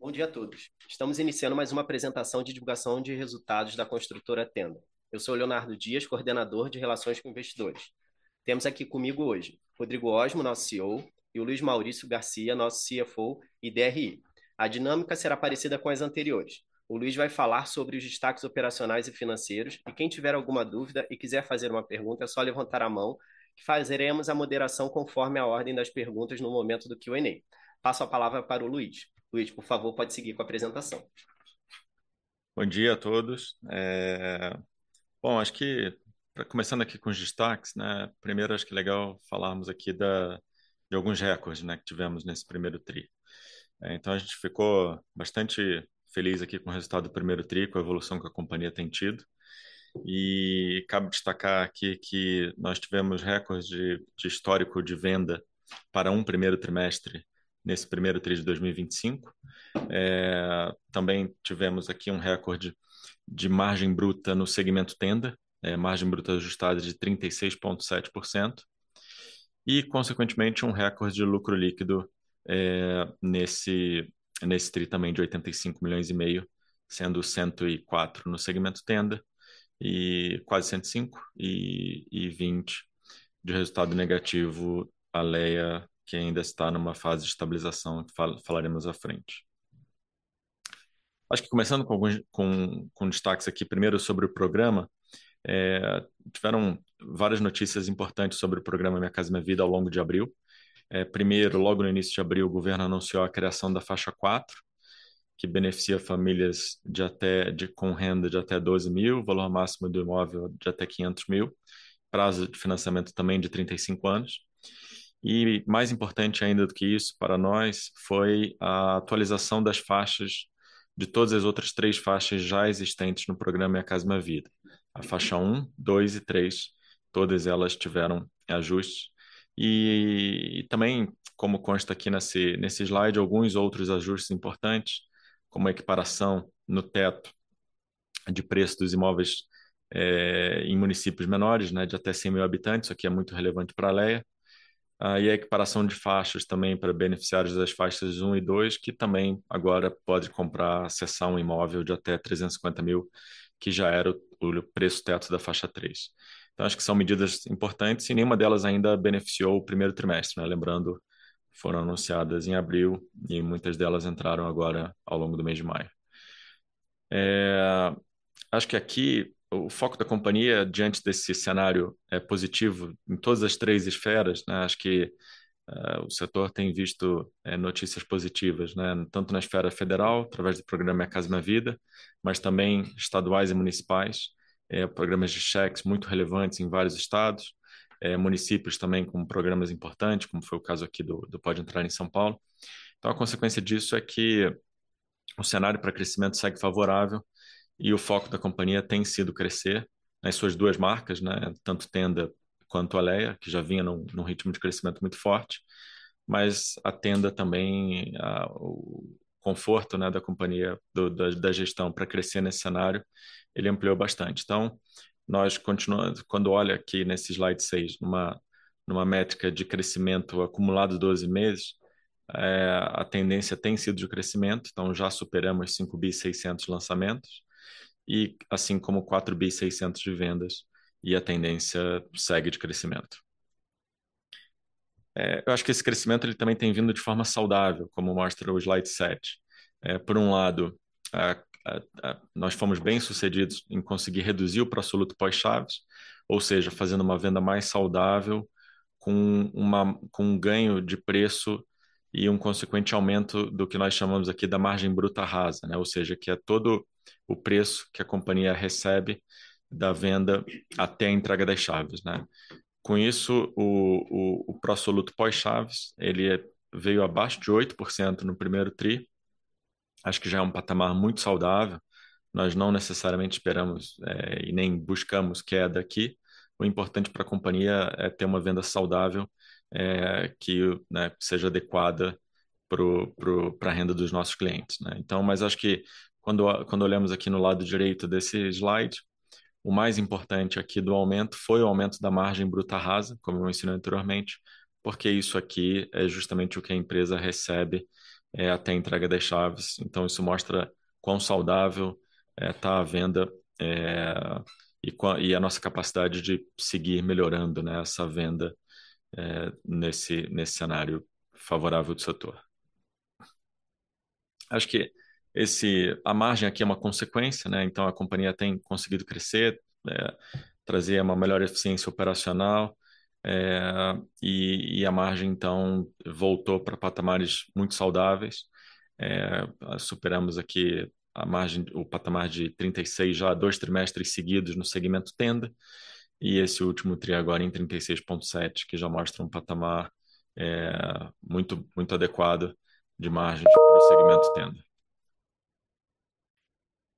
Bom dia a todos. Estamos iniciando mais uma apresentação de divulgação de resultados da Construtora Tenda. Eu sou o Leonardo Dias, coordenador de Relações com Investidores. Temos aqui conosco hoje Rodrigo Osmo, nosso CEO, e o Luiz Maurício Garcia, nosso CFO e DRI. A dinâmica será parecida com as anteriores. O Luiz vai falar sobre os destaques operacionais e financeiros, e quem tiver alguma dúvida e quiser fazer uma pergunta, é só levantar a mão, que faremos a moderação conforme a ordem das perguntas no momento do Q&A. Passo a palavra para o Luiz. Luiz, por favor, pode seguir com a apresentação. Bom dia a todos. Bom, acho que para começar aqui com os destaques, né, primeiro acho que é legal falarmos aqui de alguns recordes, né, que tivemos nesse primeiro tri. Então a gente ficou bastante feliz aqui com o resultado do primeiro tri, com a evolução que a companhia tem tido. Cabe destacar aqui que nós tivemos recordes de histórico de venda para um primeiro trimestre nesse primeiro tri de 2025. Também tivemos aqui um recorde de margem bruta no segmento Tenda, margem bruta ajustada de 36.7% e consequentemente um recorde de lucro líquido nesse tri também de 85.5 million, sendo 104 million no segmento Tenda e quase 105 million, e 20 million de resultado negativo Alea, que ainda está numa fase de estabilização, falaremos à frente. Acho que começando com alguns destaques aqui, primeiro sobre o programa. Tiveram várias notícias importantes sobre o programa Minha Casa, Minha Vida ao longo de abril. Primeiro, logo no início de abril, o governo anunciou a criação da Faixa 4, que beneficia famílias de até, com renda de até 12,000, valor máximo do imóvel de até 500,000, prazo de financiamento também de 35 anos. Mais importante ainda do que isso para nós, foi a atualização das faixas de todas as outras três faixas já existentes no programa Minha Casa, Minha Vida. A Faixa 1, 2 e 3, todas elas tiveram ajustes. Também, como consta aqui nesse slide, alguns outros ajustes importantes, como a equiparação no teto de preço dos imóveis, em municípios menores, né, de até 100,000 habitantes, isso aqui é muito relevante pra Alea. a equiparação de faixas também pra beneficiários das faixas 1 e 2, que também agora pode comprar, acessar um imóvel de até BRL 350 mil, que já era o preço teto da Faixa 3. Acho que são medidas importantes e nenhuma delas ainda beneficiou o primeiro trimestre, né. Lembrando, foram anunciadas em abril e muitas delas entraram agora ao longo do mês de maio. Acho que aqui o foco da companhia diante desse cenário é positivo em todas as três esferas, né, acho que o setor tem visto notícias positivas, né, tanto na esfera federal, através do programa Minha Casa, Minha Vida, mas também estaduais e municipais. Programas de cheques muito relevantes em vários estados. Municípios também com programas importantes, como foi o caso aqui do Pode Entrar em São Paulo. A consequência disso é que o cenário pra crescimento segue favorável e o foco da companhia tem sido crescer nas suas duas marcas, né, tanto Tenda quanto Alea, que já vinha num ritmo de crescimento muito forte, mas a Tenda também, o conforto, né, da companhia, da gestão pra crescer nesse cenário, ele ampliou bastante. Quando olha aqui nesse slide 6, numa métrica de crescimento acumulado 12 meses, a tendência tem sido de crescimento, então já superamos 5.6 billion lançamentos e assim como 4.6 billion de vendas, e a tendência segue de crescimento. Eu acho que esse crescimento ele também tem vindo de forma saudável, como mostra o slide 7. Por um lado, nós fomos bem-sucedidos em conseguir reduzir o pro-soluto pós-chaves, ou seja, fazendo uma venda mais saudável, com uma, com ganho de preço e um consequente aumento do que nós chamamos aqui da margem bruta rasa, né, ou seja, que é todo o preço que a companhia recebe da venda até a entrega das chaves, né. Com isso, o pro-soluto pós-chaves, ele veio abaixo de 8% no primeiro tri. Acho que já é um patamar muito saudável. Nós não necessariamente esperamos, e nem buscamos queda aqui. O importante pra companhia é ter uma venda saudável, que, né, seja adequada pra renda dos nossos clientes, né. Acho que quando olhamos aqui no lado direito desse slide, o mais importante aqui do aumento foi o aumento da margem bruta rasa, como eu mencionei anteriormente, porque isso aqui é justamente o que a empresa recebe até a entrega das chaves. Isso mostra quão saudável tá a venda e a nossa capacidade de seguir melhorando essa venda nesse cenário favorável do setor. Acho que a margem aqui é uma consequência, então a companhia tem conseguido crescer trazer uma melhor eficiência operacional e a margem então voltou pra patamares muito saudáveis. Superamos aqui a margem o patamar de 36% já há dois trimestres seguidos no segmento Tenda, e esse último tri agora em 36.7%, que já mostra um patamar muito adequado de margem pro segmento Tenda.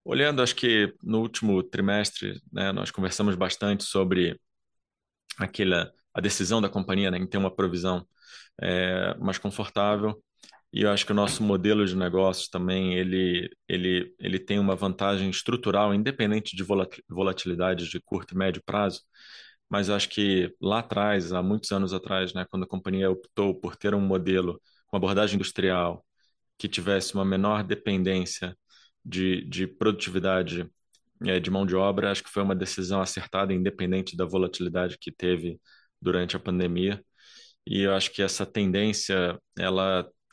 Olhando, acho que no último trimestre, né, nós conversamos bastante sobre aquela, a decisão da companhia, né, em ter uma provisão mais confortável. Eu acho que o nosso modelo de negócios também, ele tem uma vantagem estrutural, independente de volatilidade de curto e médio prazo. Acho que lá atrás, há muitos anos atrás, né, quando a companhia optou por ter um modelo com abordagem industrial que tivesse uma menor dependência de produtividade de mão de obra, acho que foi uma decisão acertada, independente da volatilidade que teve durante a pandemia. Acho que essa tendência,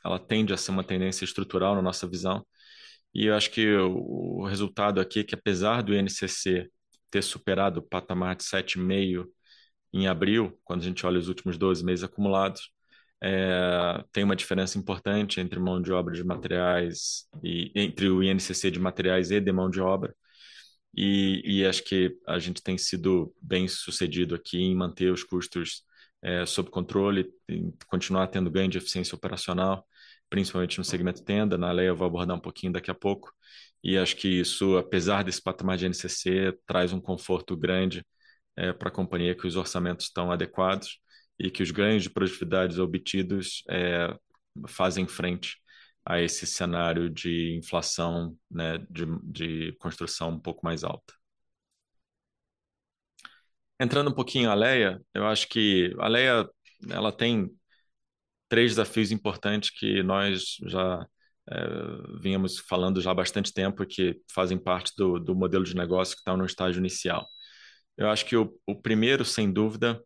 ela tende a ser uma tendência estrutural, na nossa visão. Eu acho que o resultado aqui, que apesar do INCC ter superado o patamar de 7.5 em abril, quando a gente olha os últimos 12 meses acumulados, tem uma diferença importante entre mão de obra de materiais e entre o INCC de materiais e de mão de obra. Acho que a gente tem sido bem-sucedido aqui em manter os custos sob controle, em continuar tendo ganho de eficiência operacional, principalmente no segmento Tenda, na Alea eu vou abordar um pouquinho daqui a pouco. Acho que isso, apesar desse patamar de INCC, traz um conforto grande pra companhia que os orçamentos estão adequados e que os ganhos de produtividades obtidos fazem frente a esse cenário de inflação, né, de construção um pouco mais alta. Entrando um pouquinho a Alea, eu acho que a Alea, ela tem três desafios importantes que nós já vínhamos falando já há bastante tempo e que fazem parte do modelo de negócio que tá num estágio inicial. Eu acho que o primeiro, sem dúvida,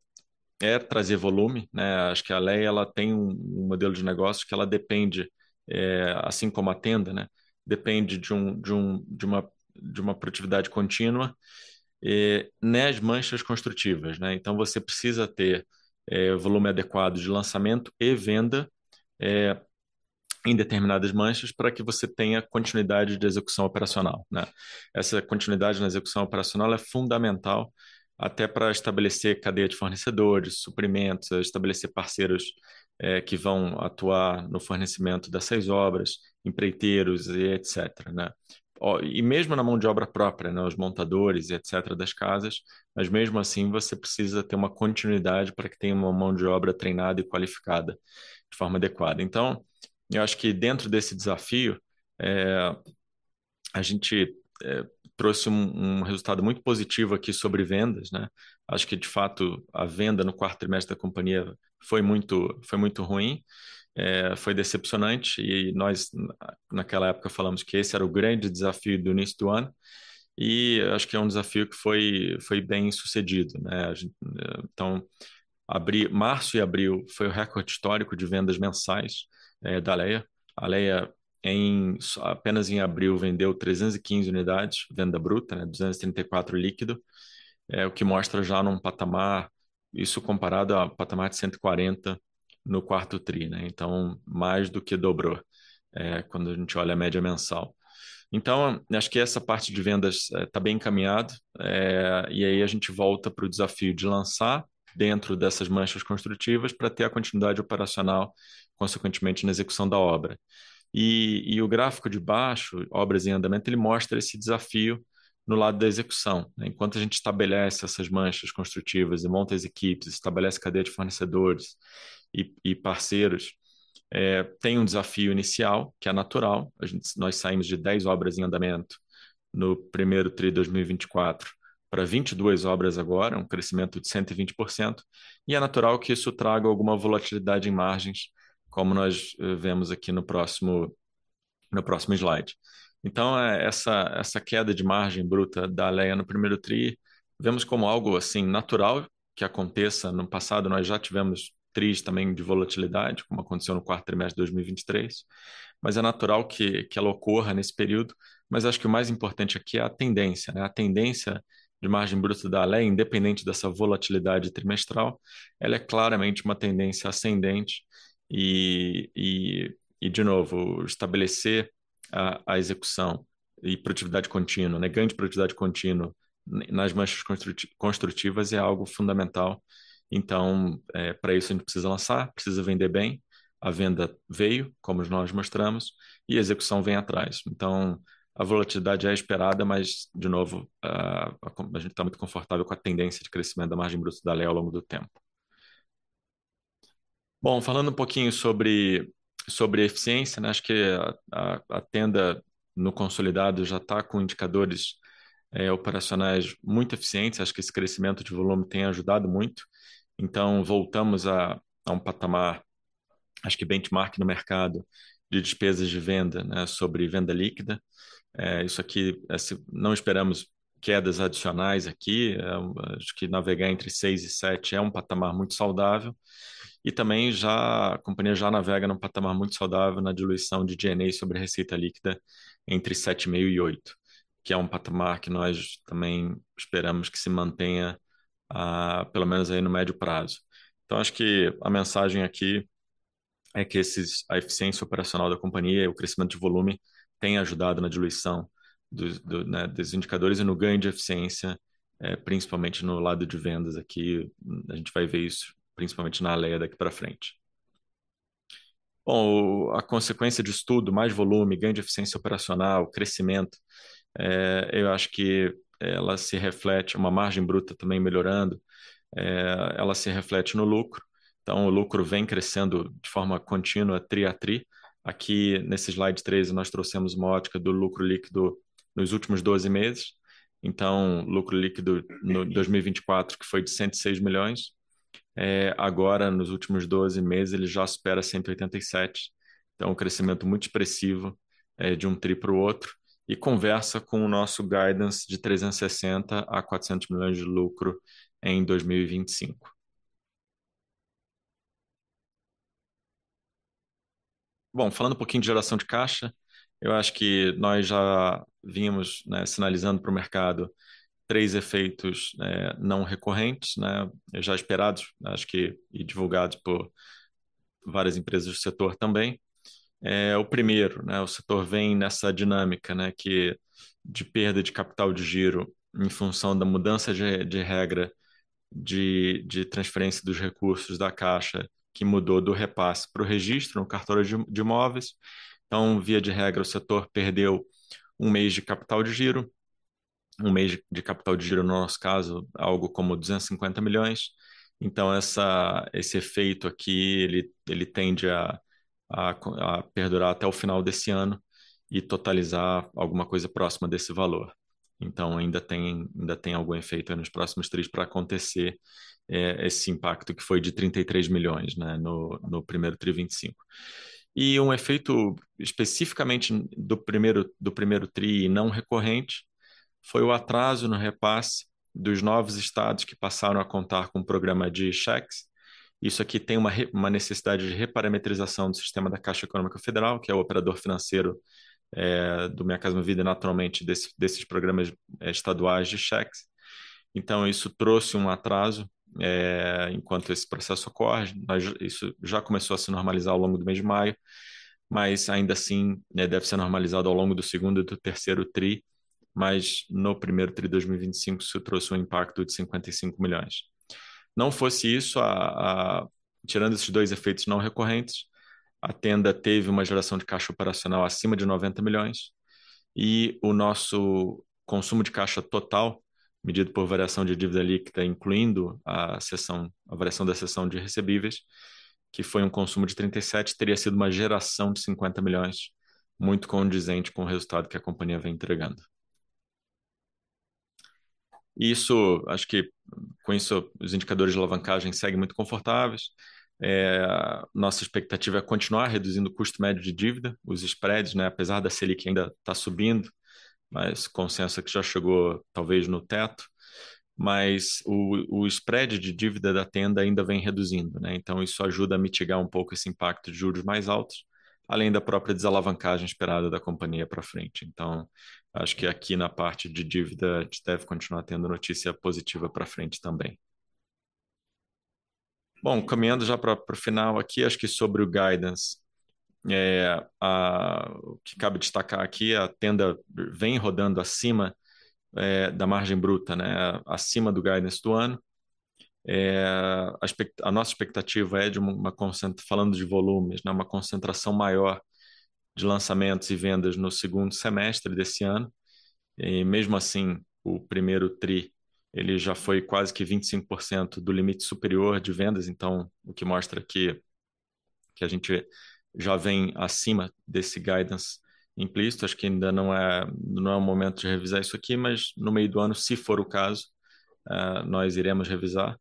é trazer volume, né? Acho que a Alea, ela tem um modelo de negócio que ela depende assim como a Tenda, né, depende de uma produtividade contínua nas manchas construtivas, né. Então você precisa ter volume adequado de lançamento e venda em determinadas manchas pra que você tenha continuidade de execução operacional, né. Essa continuidade na execução operacional é fundamental até pra estabelecer cadeia de fornecedores, suprimentos, estabelecer parceiros que vão atuar no fornecimento dessas obras, empreiteiros e etc, né. Ó, mesmo na mão de obra própria, né, os montadores e etc das casas, mas mesmo assim você precisa ter uma continuidade pra que tenha uma mão de obra treinada e qualificada de forma adequada. Eu acho que dentro desse desafio, a gente trouxe um resultado muito positivo aqui sobre vendas, né? Acho que de fato a venda no quarto trimestre da companhia foi muito ruim, foi decepcionante e nós, naquela época, falamos que esse era o grande desafio do início do ano e acho que é um desafio que foi bem-sucedido, né? Março e abril foi o recorde histórico de vendas mensais da Alea. A Alea, apenas em abril, vendeu 315 unidades, venda bruta, né, 234 líquido, o que mostra já num patamar, isso comparado ao patamar de 140 no quarto tri, né? Mais do que dobrou quando a gente olha a média mensal. Acho que essa parte de vendas tá bem encaminhado e aí a gente volta pro desafio de lançar dentro dessas manchas construtivas pra ter a continuidade operacional, consequentemente, na execução da obra. O gráfico de baixo, obras em andamento, ele mostra esse desafio no lado da execução. Enquanto a gente estabelece essas manchas construtivas e monta as equipes, estabelece cadeia de fornecedores e parceiros, tem um desafio inicial, que é natural. Nós saímos de 10 obras em andamento no primeiro tri 2024 pra 22 obras agora, um crescimento de 120% e é natural que isso traga alguma volatilidade em margens, como nós vemos aqui no próximo slide. Essa queda de margem bruta da Alea no primeiro trimestre, vemos como algo assim, natural que aconteça. No passado, nós já tivemos trimestres também de volatilidade, como aconteceu no quarto trimestre de 2023, mas é natural que ela ocorra nesse período. Acho que o mais importante aqui é a tendência, né? A tendência de margem bruta da Alea, independente dessa volatilidade trimestral, ela é claramente uma tendência ascendente. De novo, estabelecer a execução e produtividade contínua, né, ganho de produtividade contínuo nas manchas construtivas é algo fundamental. Pra isso a gente precisa lançar, precisa vender bem. A venda veio, como nós mostramos, e a execução vem atrás. A volatilidade é esperada, mas, de novo, a gente tá muito confortável com a tendência de crescimento da margem bruta da Alea ao longo do tempo. Bom, falando um pouquinho sobre eficiência, né, acho que a Tenda, no consolidado, já tá com indicadores operacionais muito eficientes. Acho que esse crescimento de volume tem ajudado muito. Voltamos a um patamar, acho que benchmark no mercado, de despesas de venda, né, sobre venda líquida. Isso aqui, não esperamos quedas adicionais aqui. Acho que navegar entre 6%-7% é um patamar muito saudável. Também a companhia já navega num patamar muito saudável na diluição de G&A sobre a receita líquida entre 7.5%-8%, que é um patamar que nós também esperamos que se mantenha pelo menos aí no médio prazo. Acho que a mensagem aqui é que a eficiência operacional da companhia e o crescimento de volume têm ajudado na diluição dos indicadores e no ganho de eficiência, principalmente no lado de vendas. Aqui, a gente vai ver isso principalmente na Alea daqui pra frente. A consequência disso tudo, mais volume, ganho de eficiência operacional, crescimento, eu acho que ela se reflete em uma margem bruta também melhorando, ela se reflete no lucro. O lucro vem crescendo de forma contínua trimestre a trimestre. Aqui nesse slide 13, nós trouxemos uma ótica do lucro líquido nos últimos 12 meses. Lucro líquido no 2024, que foi de 106 million, agora nos últimos 12 meses, ele já supera 187 million. Um crescimento muito expressivo de um tri pro outro e conversa com o nosso guidance de 360 million-400 million de lucro em 2025. Bom, falando um pouquinho de geração de caixa, eu acho que nós já vínhamos sinalizando pro mercado três efeitos não recorrentes já esperados, acho que e divulgados por várias empresas do setor também. O primeiro, o setor vem nessa dinâmica que de perda de capital de giro em função da mudança de regra de transferência dos recursos da Caixa, que mudou do repasse pro registro no cartório de imóveis. Via de regra, o setor perdeu um mês de capital de giro, no nosso caso, algo como BRL 250 million. Esse efeito aqui, ele tende a perdurar até o final desse ano e totalizar alguma coisa próxima desse valor. Ainda tem algum efeito aí nos próximos tris pra acontecer, esse impacto, que foi de 33 million, no primeiro tri 2025. Um efeito especificamente do primeiro tri e não recorrente, foi o atraso no repasse dos novos estados que passaram a contar com o programa de cheques. Isso aqui tem uma necessidade de reparametrização do sistema da Caixa Econômica Federal, que é o operador financeiro, do Minha Casa, Minha Vida, naturalmente, desses programas estaduais de cheques. Isso trouxe um atraso, enquanto esse processo ocorre, mas isso já começou a se normalizar ao longo do mês de maio, mas ainda assim, deve ser normalizado ao longo do segundo e do terceiro tri, mas no primeiro tri de 2025, isso trouxe um impacto de 55 million. Não fosse isso, tirando esses dois efeitos não recorrentes, a Tenda teve uma geração de caixa operacional acima de 90 million e o nosso consumo de caixa total, medido por variação de dívida líquida, incluindo a cessão, a variação da cessão de recebíveis, que foi um consumo de 37 million, teria sido uma geração de 50 million, muito condizente com o resultado que a companhia vem entregando. Isso, acho que com isso, os indicadores de alavancagem seguem muito confortáveis. Nossa expectativa é continuar reduzindo o custo médio de dívida, os spreads, né, apesar da Selic ainda tá subindo, mas consenso é que já chegou talvez no teto, mas o spread de dívida da Tenda ainda vem reduzindo, né. Isso ajuda a mitigar um pouco esse impacto de juros mais altos, além da própria desalavancagem esperada da companhia pra frente. Acho que aqui na parte de dívida, a gente deve continuar tendo notícia positiva pra frente também. Bom, caminhando já pro final aqui, acho que sobre o guidance, o que cabe destacar aqui, a Tenda vem rodando acima da margem bruta, né, acima do guidance do ano. A nossa expectativa é de falando de volumes, né, uma concentração maior de lançamentos e vendas no segundo semestre desse ano. Mesmo assim, o primeiro tri, ele já foi quase que 25% do limite superior de vendas. Então, o que mostra que a gente já vem acima desse guidance implícito. Acho que ainda não é o momento de revisar isso aqui, mas no meio do ano, se for o caso, nós iremos revisar.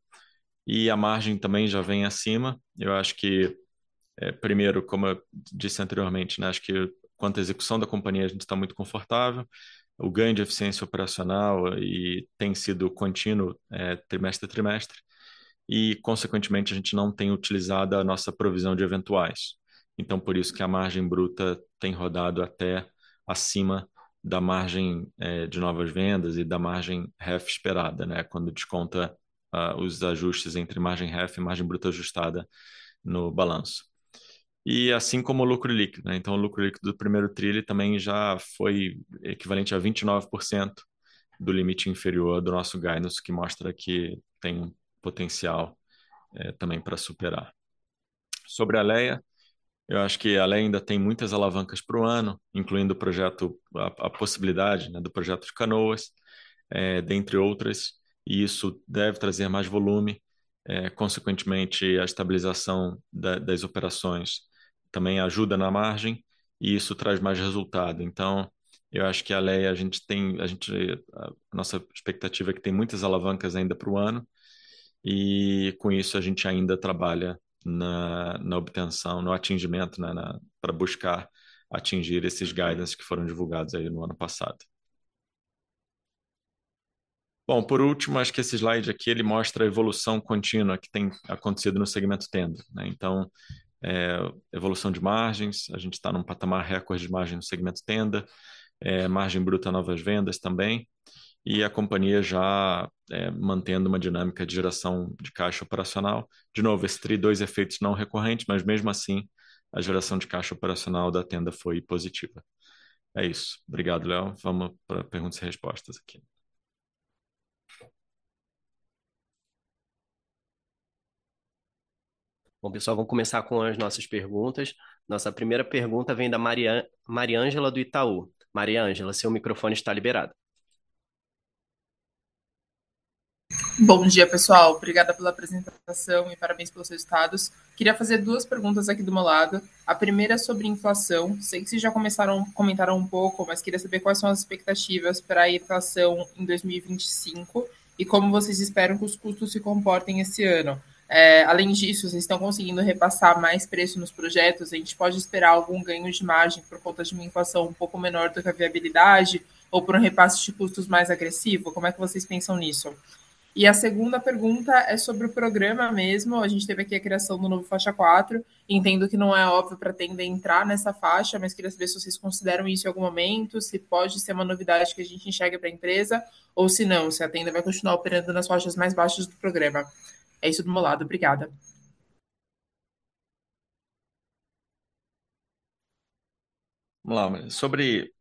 A margem também já vem acima. Eu acho que primeiro, como eu disse anteriormente, né, acho que quanto à execução da companhia, a gente tá muito confortável. O ganho de eficiência operacional tem sido contínuo, trimestre a trimestre e, consequentemente, a gente não tem utilizado a nossa provisão de eventuais. Então por isso que a margem bruta tem rodado até acima da margem de novas vendas e da margem REF esperada, né, quando desconta os ajustes entre margem REF e margem bruta ajustada no balanço. Assim como o lucro líquido, o lucro líquido do primeiro tri, ele também já foi equivalente a 29% do limite inferior do nosso guidance, o que mostra que tem potencial também pra superar. Sobre a Alea, eu acho que a Alea ainda tem muitas alavancas pro ano, incluindo o projeto, a possibilidade do projeto de Canoas, dentre outras, e isso deve trazer mais volume. Consequentemente, a estabilização das operações também ajuda na margem e isso traz mais resultado. Eu acho que a Alea, a gente tem a nossa expectativa é que tem muitas alavancas ainda pro ano e com isso a gente ainda trabalha na obtenção, no atingimento, pra buscar atingir esses guidances que foram divulgados aí no ano passado. Bom, por último, acho que esse slide aqui ele mostra a evolução contínua que tem acontecido no segmento Tenda, né. Evolução de margens, a gente tá num patamar recorde de margem no segmento Tenda, margem bruta novas vendas também, e a companhia já mantendo uma dinâmica de geração de caixa operacional. De novo, esse trimestre, dois efeitos não recorrentes, mas mesmo assim, a geração de caixa operacional da Tenda foi positiva. É isso. Obrigado, Léo. Vamos pra perguntas e respostas aqui. Bom, pessoal, vamos começar com as nossas perguntas. Nossa primeira pergunta vem da Mariângela, do Itaú. Mariângela, seu microfone está liberado. Bom dia, pessoal. Obrigada pela apresentação e parabéns pelos resultados. Queria fazer duas perguntas aqui do meu lado. A primeira é sobre inflação. Sei que vocês já comentaram um pouco, mas queria saber quais são as expectativas pra inflação em 2025 e como vocês esperam que os custos se comportem esse ano. É, além disso, vocês estão conseguindo repassar mais preço nos projetos? A gente pode esperar algum ganho de margem por conta de uma inflação um pouco menor do que a viabilidade ou por um repasse de custos mais agressivo? Como é que vocês pensam nisso? E a segunda pergunta é sobre o programa mesmo. A gente teve aqui a criação do novo Faixa 4. Entendo que não é óbvio pra Tenda entrar nessa faixa, mas queria saber se vocês consideram isso em algum momento, se pode ser uma novidade que a gente enxergue pra empresa ou se não, se a Tenda vai continuar operando nas faixas mais baixas do programa. É isso do meu lado. Obrigada. Vamos lá. Sobre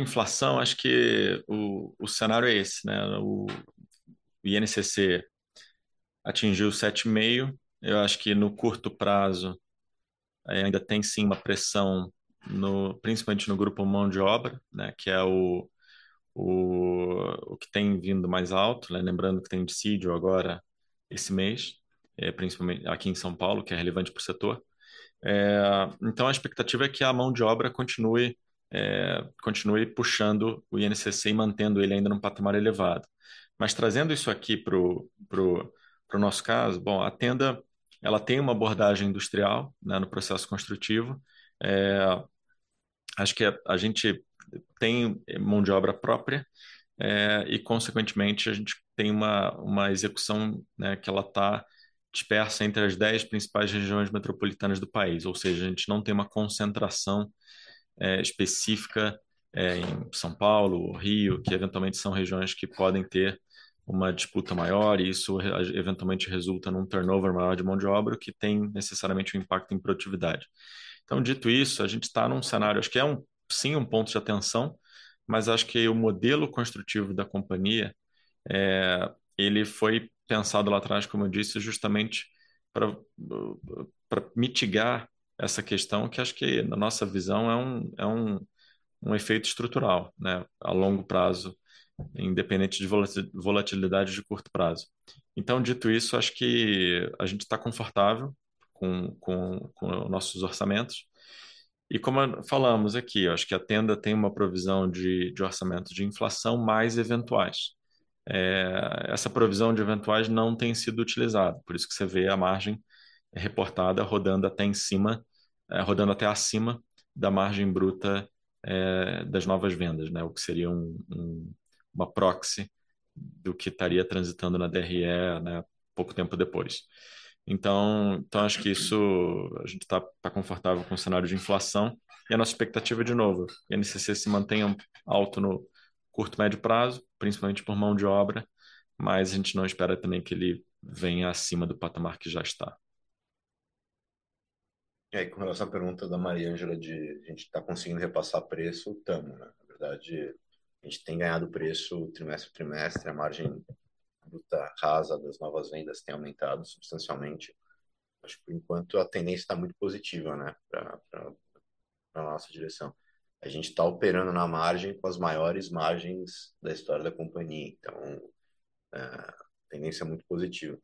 inflação, acho que o cenário é esse, né? O INCC atingiu 7.5%. Eu acho que no curto prazo, ainda tem sim uma pressão, principalmente no grupo mão de obra, né, que é o que tem vindo mais alto, né? Lembrando que tem dissídio agora esse mês, principalmente aqui em São Paulo, que é relevante pro setor. Então a expectativa é que a mão de obra continue puxando o INCC e mantendo ele ainda num patamar elevado. Trazendo isso aqui pro nosso caso, bom, a Tenda, ela tem uma abordagem industrial, né, no processo construtivo. Acho que a gente tem mão de obra própria, e consequentemente, a gente tem uma execução, né, que ela tá dispersa entre as 10 principais regiões metropolitanas do país. Ou seja, a gente não tem uma concentração específica em São Paulo ou Rio, que eventualmente são regiões que podem ter uma disputa maior e isso eventualmente resulta num turnover maior de mão de obra, o que tem necessariamente um impacto em produtividade. Dito isso, a gente tá num cenário, acho que um ponto de atenção, mas acho que o modelo construtivo da companhia ele foi pensado lá atrás, como eu disse, justamente pra mitigar essa questão, que acho que na nossa visão um efeito estrutural, né, a longo prazo, independente de volatilidade de curto prazo. Dito isso, acho que a gente tá confortável com nossos orçamentos. Como falamos aqui, acho que a Tenda tem uma provisão de orçamento de inflação mais eventuais. Essa provisão de eventuais não tem sido utilizada, por isso que você vê a margem reportada rodando até em cima, rodando até acima da margem bruta das novas vendas, né? O que seria uma proxy do que estaria transitando na DRE, né, pouco tempo depois. Acho que isso, a gente tá confortável com o cenário de inflação e a nossa expectativa, de novo, o INCC se mantenha alto no curto/médio prazo, principalmente por mão de obra, mas a gente não espera também que ele venha acima do patamar que já está. Com relação à pergunta da Mariângela, de a gente tá conseguindo repassar preço, tá mais, né? Na verdade, a gente tem ganhado preço trimestre a trimestre, a margem bruta CASA das novas vendas tem aumentado substancialmente. Acho que por enquanto a tendência tá muito positiva, né, pra nossa direção. A gente tá operando na margem com as maiores margens da história da companhia, a tendência é muito positiva.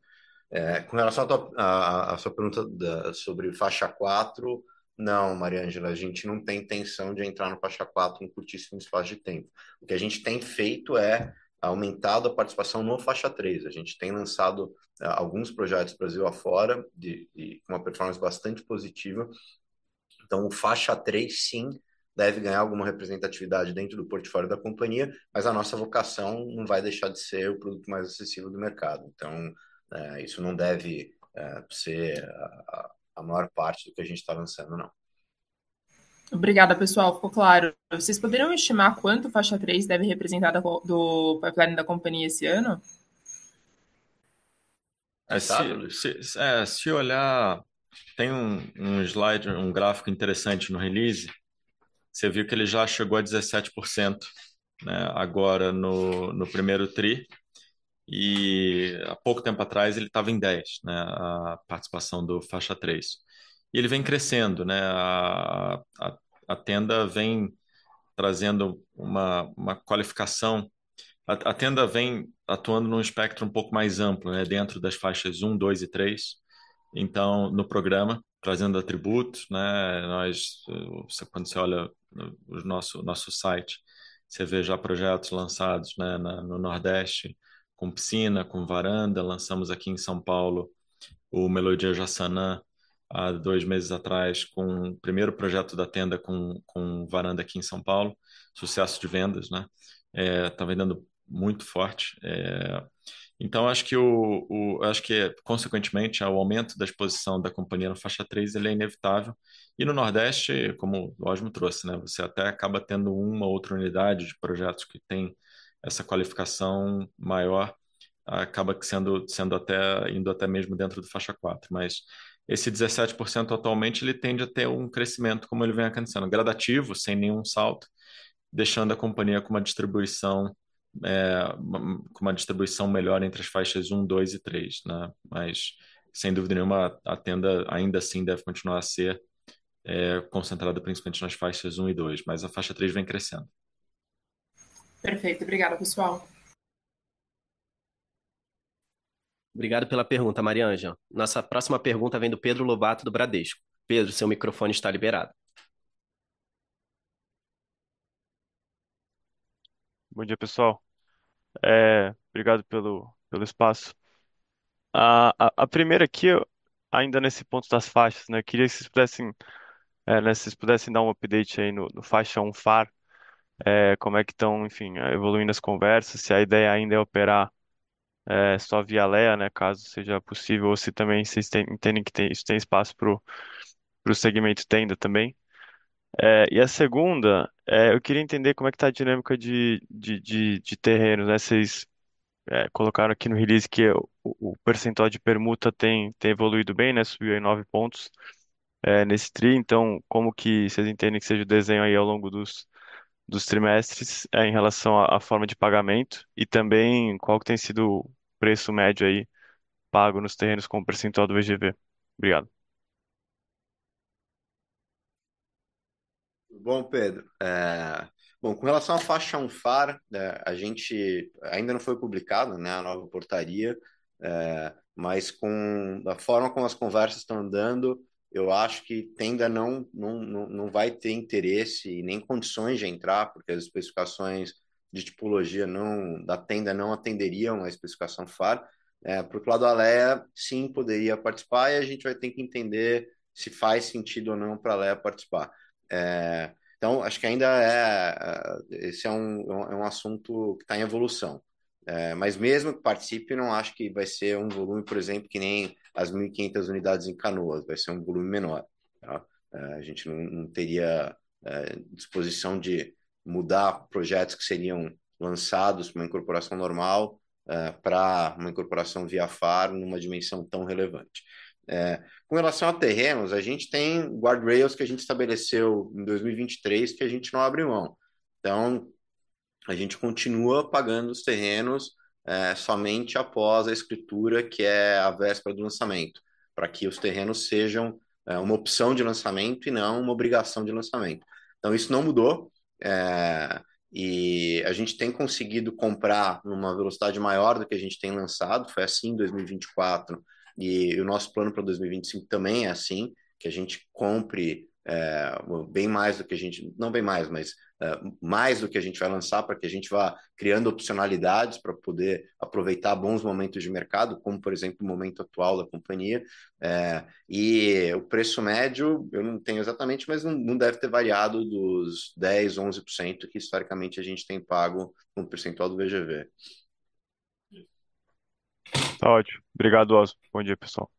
Com relação à sua pergunta sobre Faixa 4, não, Mariângela, a gente não tem intenção de entrar no Faixa 4 em curtíssimo espaço de tempo. O que a gente tem feito é aumentado a participação no Faixa 3. A gente tem lançado alguns projetos Brasil afora de uma performance bastante positiva. Faixa 3, sim, deve ganhar alguma representatividade dentro do portfólio da companhia, mas a nossa vocação não vai deixar de ser o produto mais acessível do mercado. Isso não deve ser a maior parte do que a gente tá lançando, não. Obrigada, pessoal, ficou claro. Vocês poderiam estimar quanto o Faixa 3 deve representar do pipeline da companhia esse ano? Se olhar, tem um slide, um gráfico interessante no release, cê viu que ele já chegou a 17%, né, agora no primeiro tri e há pouco tempo atrás ele tava em 10%, né, a participação da Faixa 3. Ele vem crescendo, né? A Tenda vem trazendo uma qualificação. A Tenda vem atuando num espectro um pouco mais amplo, né, dentro das Faixas 1, 2 e 3. Então, no programa, trazendo atributos, né, nós, quando cê olha o nosso site, cê vê já projetos lançados, né, no Nordeste, com piscina, com varanda. Lançamos aqui em São Paulo o Melodia Jaçanã há 2 meses atrás, com o primeiro projeto da Tenda com varanda aqui em São Paulo. Sucesso de vendas, né? Tá vendendo muito forte. Acho que consequentemente o aumento da exposição da companhia na Faixa 3 ele é inevitável. No Nordeste, como o Osmo trouxe, né, você até acaba tendo uma ou outra unidade de projetos que têm essa qualificação maior, acaba que sendo até indo até mesmo dentro da Faixa 4. Mas esse 17% atualmente ele tende a ter um crescimento como ele vem acontecendo, gradativo, sem nenhum salto, deixando a companhia com uma distribuição melhor entre as Faixas 1, 2 e 3, né? Mas sem dúvida nenhuma a Tenda ainda assim deve continuar a ser concentrada principalmente nas Faixas 1 e 2, mas a Faixa 3 vem crescendo. Perfeito. Obrigada, pessoal. Obrigado pela pergunta, Mariangela. Nossa próxima pergunta vem do Pedro Lobato, do Bradesco. Pedro, seu microfone está liberado. Bom dia, pessoal. Obrigado pelo espaço. A primeira aqui, ainda nesse ponto das faixas, né, queria que cês pudessem, né, se cês pudessem dar um update aí no Faixa 1 FAR. Como é que tão, enfim, evoluindo as conversas, se a ideia ainda é operar só via Alea, né, caso seja possível, ou se também cês entendem que tem espaço pro segmento Tenda também. E a segunda, eu queria entender como é que tá a dinâmica de terrenos, né? Cês colocaram aqui no release que o percentual de permuta tem evoluído bem, né? Subiu aí 9 pontos nesse tri. Como que cês entendem que seja o desenho aí ao longo dos trimestres, em relação à forma de pagamento e também qual que tem sido o preço médio aí pago nos terrenos com o percentual do VGV. Obrigado. Bom, Pedro, bom, com relação à Faixa 1 FAR, a gente ainda não foi publicado, a nova portaria, mas, da forma como as conversas tão andando, eu acho que Tenda não vai ter interesse e nem condições de entrar, porque as especificações de tipologia não da Tenda não atenderiam a especificação FAR. Pro lado Alea, sim, poderia participar e a gente vai ter que entender se faz sentido ou não pra Alea participar. Então acho que ainda é esse é um assunto que tá em evolução. Mas mesmo que participe, não acho que vai ser um volume, por exemplo, que nem as 1,500 unidades em Canoas, vai ser um volume menor, tá? A gente não teria disposição de mudar projetos que seriam lançados pra uma incorporação normal, pra uma incorporação via FAR numa dimensão tão relevante. Com relação a terrenos, a gente tem guardrails que a gente estabeleceu em 2023 que a gente não abre mão. A gente continua pagando os terrenos somente após a escritura, que é a véspera do lançamento, pra que os terrenos sejam uma opção de lançamento e não uma obrigação de lançamento. Isso não mudou, e a gente tem conseguido comprar numa velocidade maior do que a gente tem lançado. Foi assim em 2024 e o nosso plano pra 2025 também é assim, que a gente compre mais do que a gente vai lançar pra que a gente vá criando opcionalidades pra poder aproveitar bons momentos de mercado, como por exemplo, o momento atual da companhia. O preço médio eu não tenho exatamente, mas não deve ter variado dos 10%-11% que historicamente a gente tem pago com o percentual do VGV. Tá ótimo. Obrigado, Osmo. Bom dia, pessoal.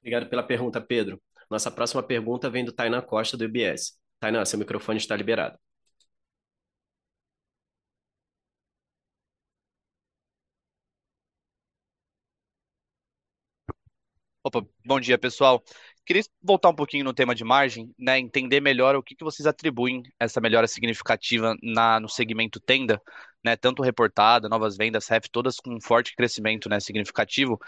Obrigado pela pergunta, Pedro. Nossa próxima pergunta vem do Tainá Costa, do UBS. Tainá, seu microfone está liberado. Opa, bom dia, pessoal. Queria voltar um pouquinho no tema de margem, né, entender melhor o que que vocês atribuem essa melhora significativa no segmento Tenda, né? Tanto reportada, novas vendas, REF, todas com forte crescimento, né, significativo.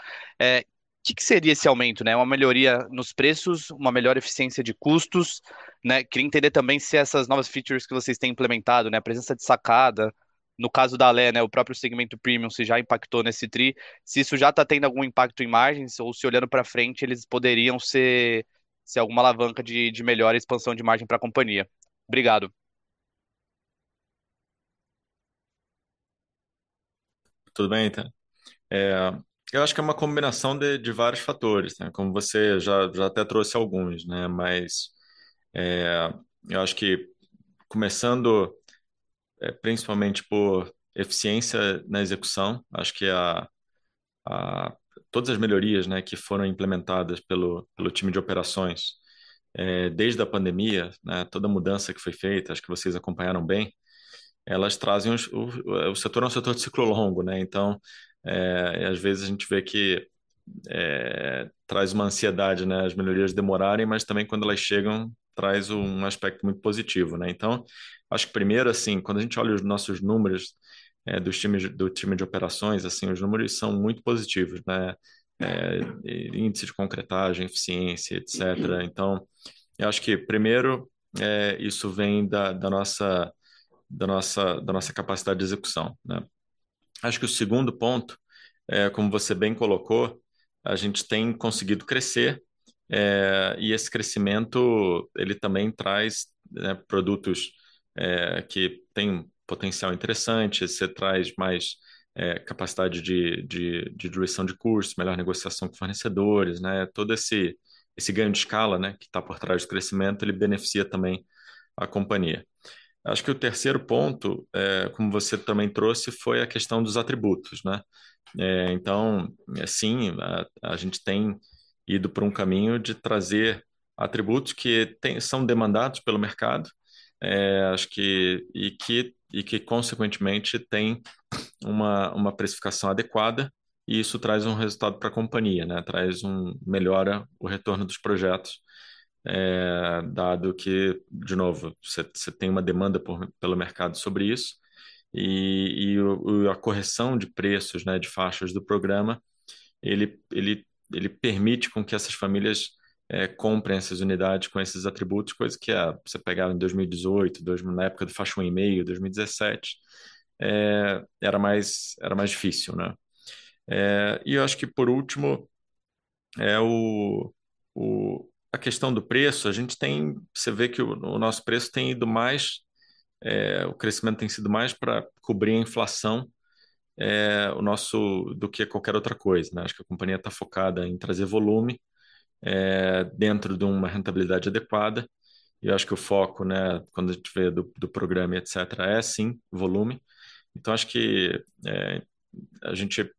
É, o que que seria esse aumento, né? Uma melhoria nos preços, uma melhor eficiência de custos, né? Queria entender também se essas novas features que vocês têm implementado, né, a presença de sacada, no caso da Alea, né, o próprio segmento premium, se já impactou nesse tri, se isso já tá tendo algum impacto em margens ou se olhando pra frente, eles poderiam ser alguma alavanca de melhora e expansão de margem pra companhia. Obrigado. Tudo bem, Tainá? Eu acho que é uma combinação de vários fatores, né? Como você já até trouxe alguns, né? Eu acho que começando principalmente por eficiência na execução, acho que todas as melhorias, né, que foram implementadas pelo time de operações desde a pandemia, né, toda mudança que foi feita, acho que vocês acompanharam bem, elas trazem, o setor é um setor de ciclo longo, né? Então, às vezes a gente vê que traz uma ansiedade, né, as melhorias demorarem, mas também quando elas chegam, traz um aspecto muito positivo, né? Então, acho que primeiro, assim, quando a gente olha os nossos números do time de operações, assim, os números são muito positivos, né? Índice de concretagem, eficiência, etc. Eu acho que primeiro, isso vem da nossa capacidade de execução. Acho que o segundo ponto, como você bem colocou, a gente tem conseguido crescer e esse crescimento ele também traz produtos que têm potencial interessante, que traz mais capacidade de diluição de custos, melhor negociação com fornecedores. Todo esse ganho de escala que tá por trás do crescimento beneficia também a companhia. Acho que o terceiro ponto, como você também trouxe, foi a questão dos atributos. A gente tem ido pra um caminho de trazer atributos que são demandados pelo mercado, acho que e que consequentemente têm uma precificação adequada e isso traz um resultado pra companhia. Melhora o retorno dos projetos. É, dado que, de novo, cê tem uma demanda pelo mercado sobre isso e a correção de preços, né, de faixas do programa, ele permite que essas famílias comprem essas unidades com esses atributos, coisa que, se você pegar lá em 2018, na época do Faixa Um e Meio, 2017, era mais difícil, né? É, acho que por último, a questão do preço. A gente tem – cê vê que o nosso preço tem ido mais, o crescimento tem sido mais pra cobrir a inflação, do que qualquer outra coisa, né? Acho que a companhia tá focada em trazer volume, dentro duma rentabilidade adequada. Acho que o foco, né, quando a gente vê do programa, etcétera, é sim volume. Acho que a gente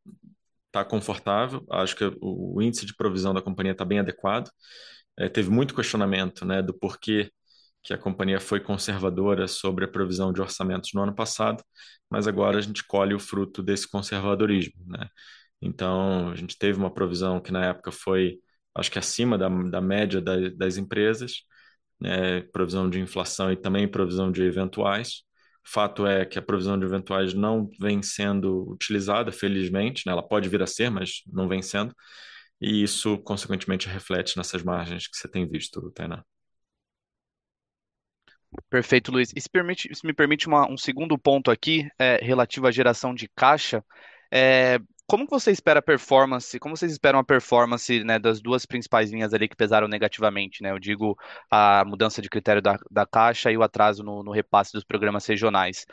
tá confortável. Acho que o índice de provisão da companhia tá bem adequado. Teve muito questionamento, né, do por que que a companhia foi conservadora sobre a provisão de orçamentos no ano passado, mas agora a gente colhe o fruto desse conservadorismo, né? A gente teve uma provisão que na época foi, acho que acima da média das empresas, provisão de inflação e também provisão de eventuais. Fato é que a provisão de eventuais não vem sendo utilizada, felizmente, né, ela pode vir a ser, mas não vem sendo. Isso consequentemente reflete nessas margens que cê tem visto, Tainá. Perfeito, Luiz. Se me permite um segundo ponto aqui, relativo à geração de caixa. Como vocês esperam a performance das duas principais linhas ali que pesaram negativamente? Eu digo a mudança de critério da Caixa e o atraso no repasse dos programas regionais.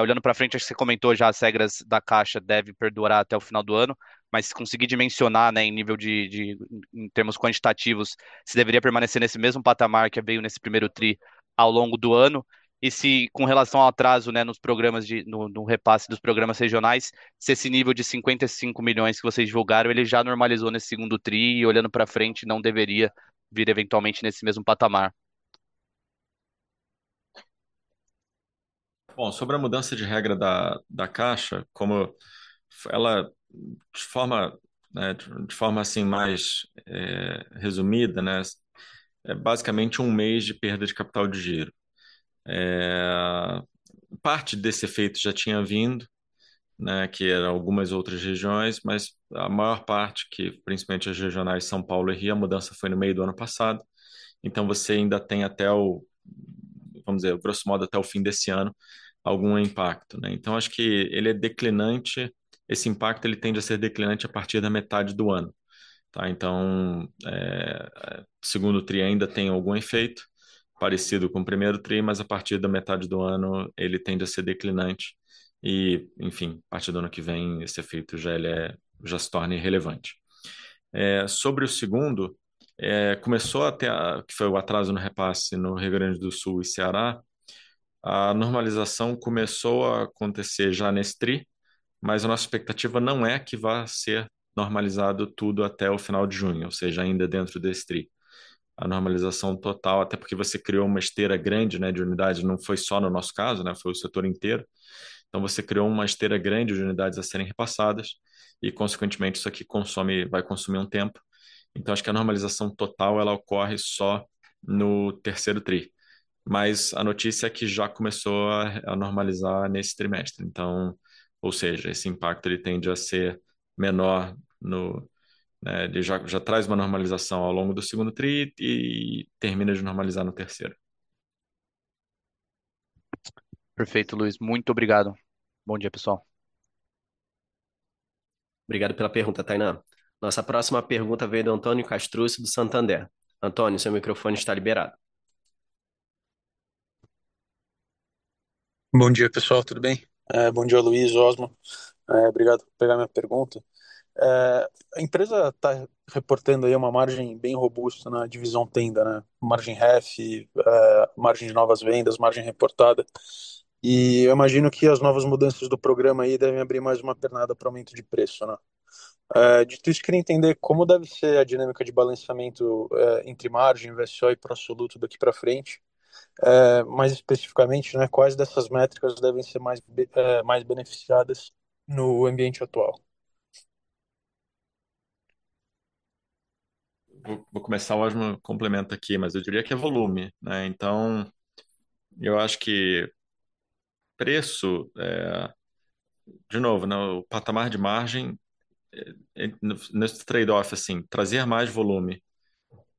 Olhando para frente, acho que você comentou já as regras da Caixa deve perdurar até o final do ano, mas se conseguir dimensionar em termos quantitativos, se deveria permanecer nesse mesmo patamar que veio nesse primeiro tri ao longo do ano e se com relação ao atraso nos repasses dos programas regionais, se esse nível de 55 million que vocês divulgaram já normalizou nesse segundo tri e olhando para frente não deveria vir eventualmente nesse mesmo patamar. Bom, sobre a mudança de regra da Caixa, como ela de forma resumida, né? É basicamente um mês de perda de capital de giro. Parte desse efeito já tinha vindo, né, que era algumas outras regiões, mas a maior parte, que principalmente as regionais São Paulo e Rio, a mudança foi no meio do ano passado. Você ainda tem até o, vamos dizer, grosso modo, até o fim desse ano, algum impacto, né? Acho que ele é declinante. Esse impacto ele tende a ser declinante a partir da metade do ano, tá? Segundo tri ainda tem algum efeito parecido com o primeiro tri, mas a partir da metade do ano ele tende a ser declinante. Enfim, a partir do ano que vem, esse efeito já se torna irrelevante. Sobre o segundo, começou a ter que foi o atraso no repasse no Rio Grande do Sul e Ceará. A normalização começou a acontecer já neste tri, mas a nossa expectativa não é que vá ser normalizado tudo até o final de junho, ou seja, ainda dentro desse tri. A normalização total, até porque você criou uma esteira grande, né, de unidades, não foi só no nosso caso, né, foi o setor inteiro. Então você criou uma esteira grande de unidades a serem repassadas e consequentemente isso aqui consome, vai consumir um tempo. Então acho que a normalização total ela ocorre só no terceiro tri. Mas a notícia é que já começou a normalizar nesse trimestre. Então, ou seja, esse impacto ele tende a ser menor no, né, ele já traz uma normalização ao longo do segundo tri e termina de normalizar no terceiro. Perfeito, Luiz. Muito obrigado. Bom dia, pessoal. Obrigado pela pergunta, Tainá. Nossa próxima pergunta veio do Antônio Castrusci, do Santander. Antônio, seu microfone está liberado. Bom dia, pessoal, tudo bem? Bom dia, Luiz, Osmo. Obrigado por pegar minha pergunta. A empresa tá reportando aí uma margem bem robusta na divisão Tenda, né? Margem REF, margem de novas vendas, margem reportada. Eu imagino que as novas mudanças do programa aí devem abrir mais uma pernada pro aumento de preço, né? Dito isso, queria entender como deve ser a dinâmica de balanceamento, entre margem, VSO e Pro Soluto daqui pra frente. Mais especificamente, né, quais dessas métricas devem ser mais beneficiadas no ambiente atual? Vou começar, o Osmo complementa aqui, mas eu diria que é volume, né? Então, eu acho que preço, de novo, né, o patamar de margem, nesse trade off assim, trazer mais volume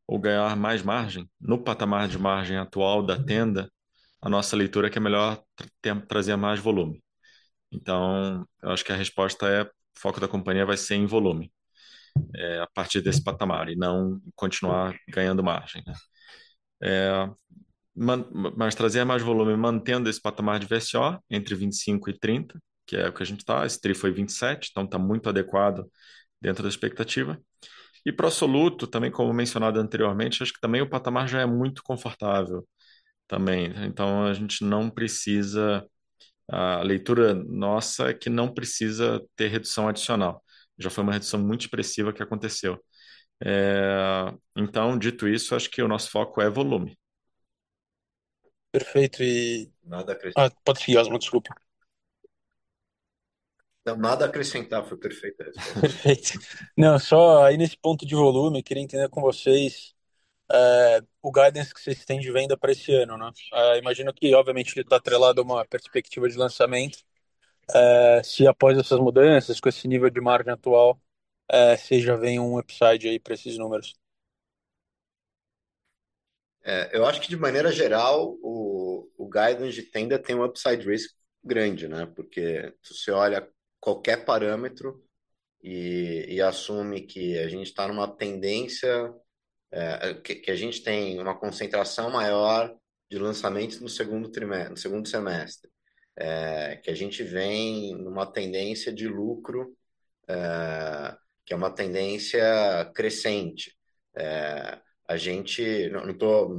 ou ganhar mais margem no patamar de margem atual da Tenda, a nossa leitura é que é melhor trazer mais volume. Então eu acho que a resposta é: foco da companhia vai ser em volume, a partir desse patamar, e não continuar ganhando margem, né? Mas trazer mais volume mantendo esse patamar de VSO entre 25 e 30, que é o que a gente tá. Esse tri foi 27, então tá muito adequado dentro da expectativa. Pro Soluto também, como mencionado anteriormente, acho que também o patamar já é muito confortável também. Então a gente não precisa, a leitura nossa é que não precisa ter redução adicional. Já foi uma redução muito expressiva que aconteceu. Dito isso, acho que o nosso foco é volume. Perfeito. Nada a acrescentar. Pode ser, Osmo, desculpa. Nada a acrescentar, foi perfeito. Perfeito. Não, só aí nesse ponto de volume, queria entender com vocês, o guidance que cês têm de venda pra esse ano, né? Imagino que, obviamente, ele tá atrelado a uma perspectiva de lançamento. Se após essas mudanças, com esse nível de margem atual, cês já veem um upside aí pra esses números. Eu acho que de maneira geral, o guidance de Tenda tem um upside risk grande, né? Porque se você olha qualquer parâmetro e assume que a gente tá numa tendência que a gente tem uma concentração maior de lançamentos no segundo semestre. Não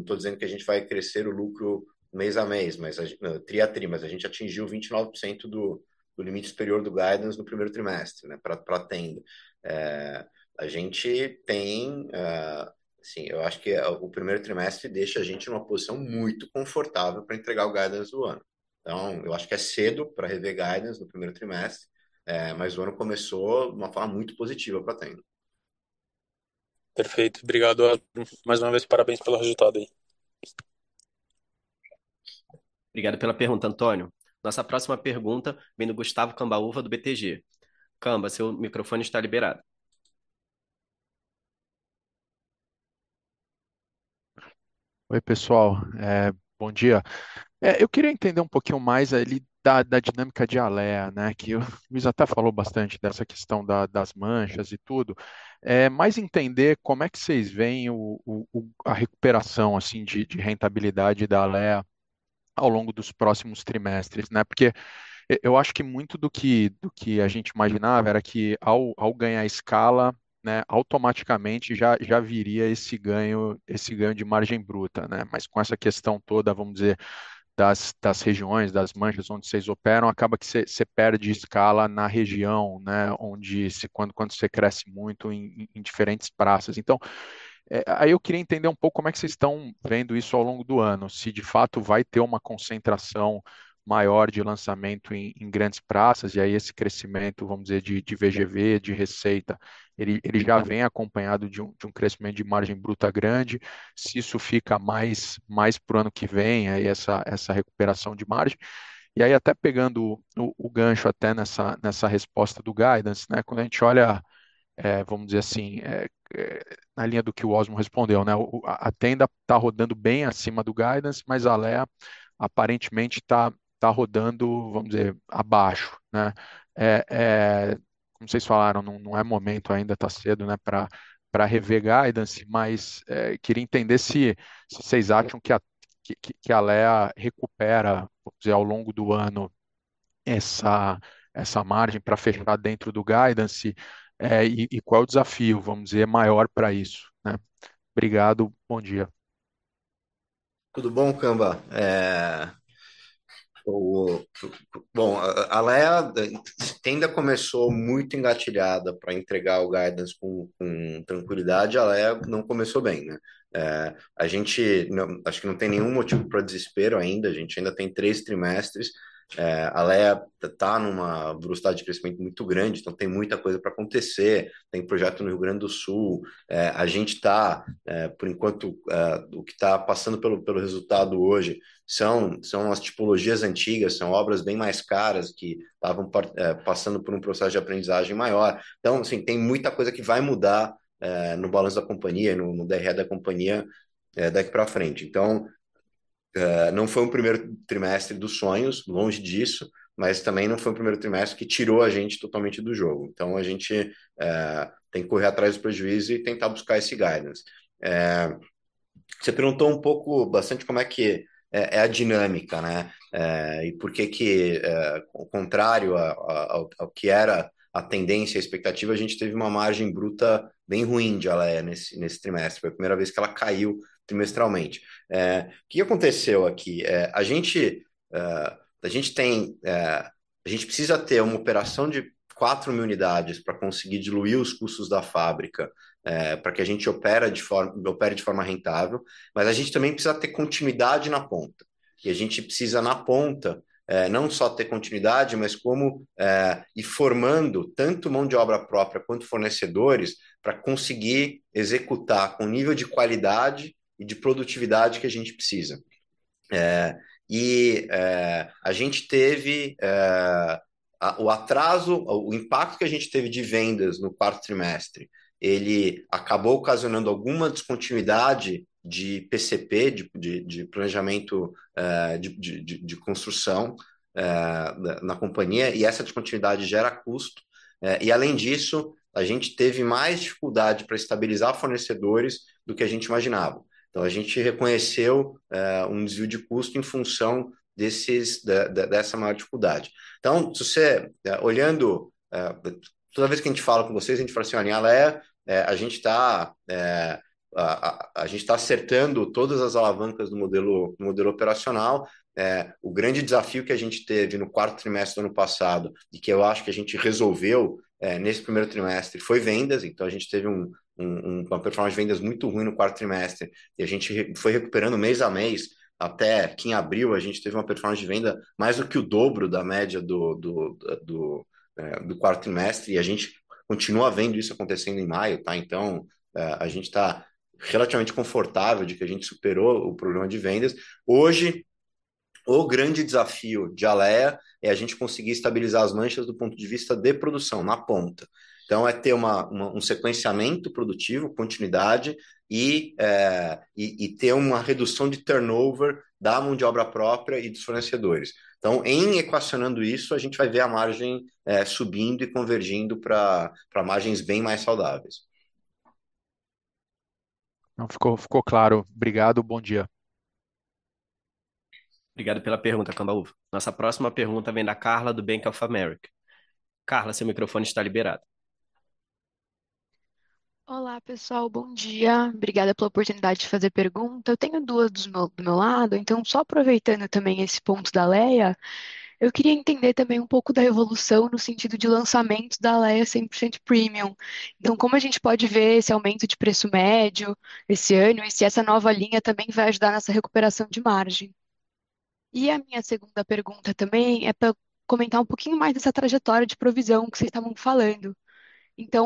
tô dizendo que a gente vai crescer o lucro mês a mês, mas trimestre a trimestre, a gente atingiu 29% do limite superior do guidance no primeiro trimestre, né, pra Tenda. A gente tem assim, eu acho que o primeiro trimestre deixa a gente numa posição muito confortável pra entregar o guidance do ano. Eu acho que é cedo pra rever guidance no primeiro trimestre, mas o ano começou de uma forma muito positiva pra Tenda. Perfeito. Obrigado. Mais uma vez, parabéns pelo resultado aí. Obrigado pela pergunta, Antônio. Nossa próxima pergunta vem do Gustavo Cambauva, do BTG. Camba, seu microfone está liberado. Oi, pessoal, bom dia. Eu queria entender um pouquinho mais ali da dinâmica de Alea, né, que o Mizuta falou bastante dessa questão das manchas e tudo. Mais entender como é que cês veem a recuperação, assim, de rentabilidade da Alea ao longo dos próximos trimestres, né? Porque eu acho que muito do que a gente imaginava era que ao ganhar escala, né, automaticamente já viria esse ganho de margem bruta, né? Mas com essa questão toda, vamos dizer, das regiões, das manchas onde cês operam, acaba que cê perde escala na região, né? Onde, quando cê cresce muito em diferentes praças. Aí eu queria entender um pouco como é que cês tão vendo isso ao longo do ano, se de fato vai ter uma concentração maior de lançamento em grandes praças e aí esse crescimento, vamos dizer, de VGV, de receita, ele já vem acompanhado de um crescimento de margem bruta grande. Se isso fica mais pro ano que vem, aí essa recuperação de margem. Aí até pegando o gancho até nessa resposta do guidance, né? Quando a gente olha, vamos dizer assim, na linha do que o Osmo respondeu, né? A Tenda tá rodando bem acima do guidance, mas a Alea aparentemente tá rodando, vamos dizer, abaixo, né? Como cês falaram, não é momento ainda, tá cedo, né, pra rever guidance, mas queria entender se cês acham que a Alea recupera, vamos dizer, ao longo do ano essa margem pra fechar dentro do guidance, e qual o desafio, vamos dizer, maior pra isso, né? Obrigado. Bom dia. Tudo bom, Camba? Bom, a Tenda começou muito engatilhada pra entregar o guidance com tranquilidade. A Alea não começou bem, né? Acho que não tem nenhum motivo pra desespero ainda. A gente ainda tem três trimestres. A Alea tá numa velocidade de crescimento muito grande, então tem muita coisa pra acontecer. Tem projeto no Rio Grande do Sul. A gente tá, por enquanto, o que tá passando pelo resultado hoje são umas tipologias antigas, são obras bem mais caras que tavam passando por um processo de aprendizagem maior. Então, assim, tem muita coisa que vai mudar no balanço da companhia, no DRE da companhia, daqui pra frente. Não foi o primeiro trimestre dos sonhos, longe disso, mas também não foi o primeiro trimestre que tirou a gente totalmente do jogo. A gente tem que correr atrás do prejuízo e tentar buscar esse guidance. Cê perguntou um pouco, bastante como é que a dinâmica, né? Por que ao contrário ao que era a tendência e a expectativa, a gente teve uma margem bruta bem ruim de Alea nesse trimestre. Foi a primeira vez que ela caiu trimestralmente. O que aconteceu aqui? A gente precisa ter uma operação de 4,000 unidades pra conseguir diluir os custos da fábrica, pra que a gente opere de forma rentável, mas a gente também precisa ter continuidade na ponta. A gente precisa, na ponta, não só ter continuidade, mas ir formando tanto mão de obra própria quanto fornecedores pra conseguir executar com o nível de qualidade e de produtividade que a gente precisa. A gente teve o atraso, o impacto que a gente teve de vendas no quarto trimestre, ele acabou ocasionando alguma descontinuidade de PCP de construção na companhia, e essa descontinuidade gera custo. Além disso, a gente teve mais dificuldade pra estabilizar fornecedores do que a gente imaginava. Então a gente reconheceu um desvio de custo em função desses, dessa maior dificuldade. Se você olhando, toda vez que a gente fala com vocês, a gente fala assim: "Olha, Alea, a gente tá acertando todas as alavancas do modelo operacional. O grande desafio que a gente teve no quarto trimestre do ano passado e que eu acho que a gente resolveu, nesse primeiro trimestre, foi vendas. A gente teve uma performance de vendas muito ruim no quarto trimestre e a gente foi recuperando mês a mês até que em abril a gente teve uma performance de venda mais do que o dobro da média do quarto trimestre e a gente continua vendo isso acontecendo em maio, tá? A gente tá relativamente confortável de que a gente superou o problema de vendas. Hoje, o grande desafio de Alea é a gente conseguir estabilizar as lanchas do ponto de vista de produção na ponta. É ter um sequenciamento produtivo, continuidade e ter uma redução de turnover da mão de obra própria e dos fornecedores. Em equacionando isso, a gente vai ver a margem subindo e convergindo pra margens bem mais saudáveis. Não, ficou claro. Obrigado, bom dia. Obrigado pela pergunta, Cambau. Nossa próxima pergunta vem da Carla, do Bank of America. Carla, seu microfone está liberado. Olá, pessoal, bom dia. Obrigada pela oportunidade de fazer pergunta. Eu tenho duas do meu lado, então só aproveitando também esse ponto da Alea, eu queria entender também um pouco da evolução no sentido de lançamento da Alea 100% Premium. Como a gente pode ver esse aumento de preço médio esse ano e se essa nova linha também vai ajudar nessa recuperação de margem. A minha segunda pergunta também é pra comentar um pouquinho mais dessa trajetória de provisão que cês tavam falando.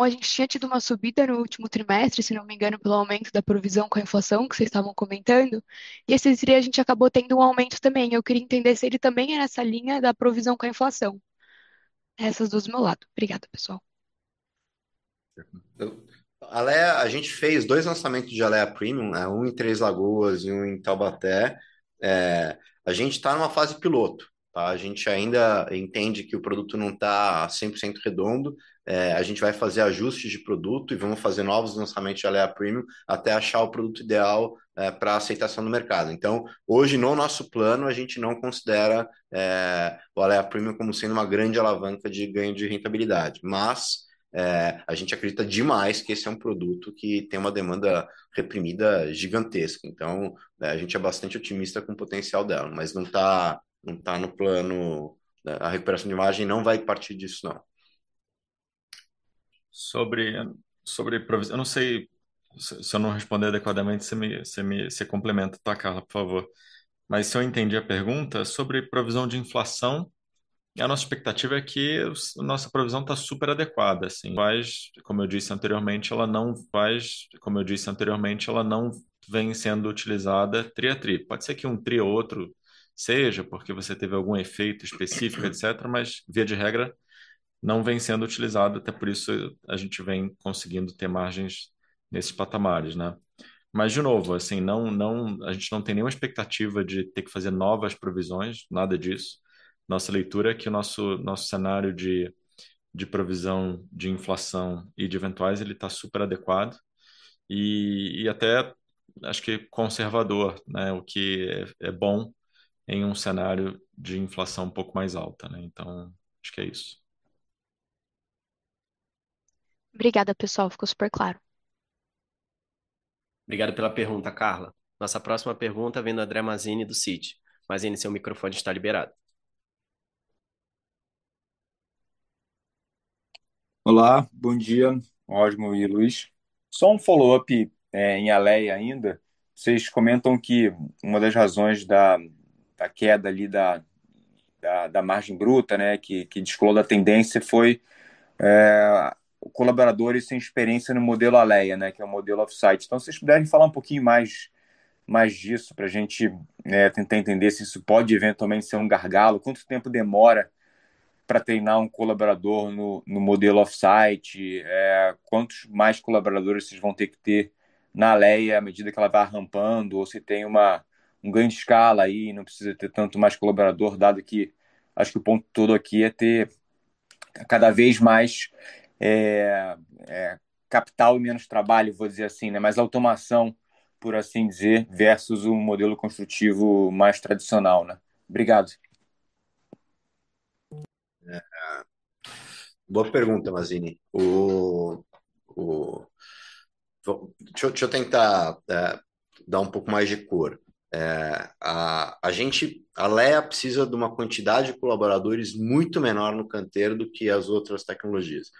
A gente tinha tido uma subida no último trimestre, se não me engano, pelo aumento da provisão com a inflação, que cês tavam comentando, e esse trimestre a gente acabou tendo um aumento também. Eu queria entender se ele também é nessa linha da provisão com a inflação. Essas duas do meu lado. Obrigada, pessoal. Alea, a gente fez 2 lançamentos de Alea Premium, né, 1 em Três Lagoas e 1 em Taubaté. É, a gente tá numa fase piloto, tá. A gente ainda entende que o produto não tá 100% redondo. É, a gente vai fazer ajustes de produto e vamo fazer novos lançamentos de Alea Premium até achar o produto ideal, é, pra aceitação no mercado. Então, hoje, no nosso plano, a gente não considera, é, o Alea Premium como sendo uma grande alavanca de ganho de rentabilidade. Mas, é, a gente acredita demais que esse é um produto que tem uma demanda reprimida gigantesca. Então, né, a gente é bastante otimista com o potencial dela, mas não tá no plano, né, a recuperação de margem não vai partir disso, não. Eu não sei, se eu não responder adequadamente, cê me complementa, tá, Carla, por favor. Se eu entendi a pergunta, sobre provisão de inflação, a nossa expectativa é que a nossa provisão tá superadequada, assim, mas como eu disse anteriormente, ela não vem sendo utilizada trimestre a trimestre. Pode ser que um trimestre ou outro seja, porque você teve algum efeito específico, etc., mas via de regra, não vem sendo utilizado, até por isso a gente vem conseguindo ter margens nesses patamares, né? De novo, assim, não, a gente não tem nenhuma expectativa de ter que fazer novas provisões, nada disso. Nossa leitura é que o nosso cenário de provisão de inflação e de eventuais, ele tá superadequado e até acho que conservador, né, o que é bom em um cenário de inflação um pouco mais alta, né? Então acho que é isso. Obrigada, pessoal. Ficou super claro. Obrigado pela pergunta, Carla. Nossa próxima pergunta vem do André Mazini, do Citi. Mazini, seu microfone está liberado. Olá, bom dia, Osmo e Luiz. Só um follow-up em Alea ainda. Cês comentam que uma das razões da queda ali da margem bruta, né, que descolou da tendência foi colaboradores sem experiência no modelo Alea, né, que é o modelo off-site. Então se cês puderem falar um pouquinho mais disso pra gente, tentar entender se isso pode eventualmente ser um gargalo, quanto tempo demora pra treinar um colaborador no modelo off-site, quantos mais colaboradores cês vão ter que ter na Alea à medida que ela vá rampando ou se tem um ganho de escala aí, não precisa ter tanto mais colaborador, dado que acho que o ponto todo aqui é ter cada vez mais capital e menos trabalho, vou dizer assim, né? Mais automação, por assim dizer, versus o modelo construtivo mais tradicional, né? Obrigado. Boa pergunta, Mazini. Deixa eu tentar dar um pouco mais de cor. A Alea precisa duma quantidade de colaboradores muito menor no canteiro do que as outras tecnologias.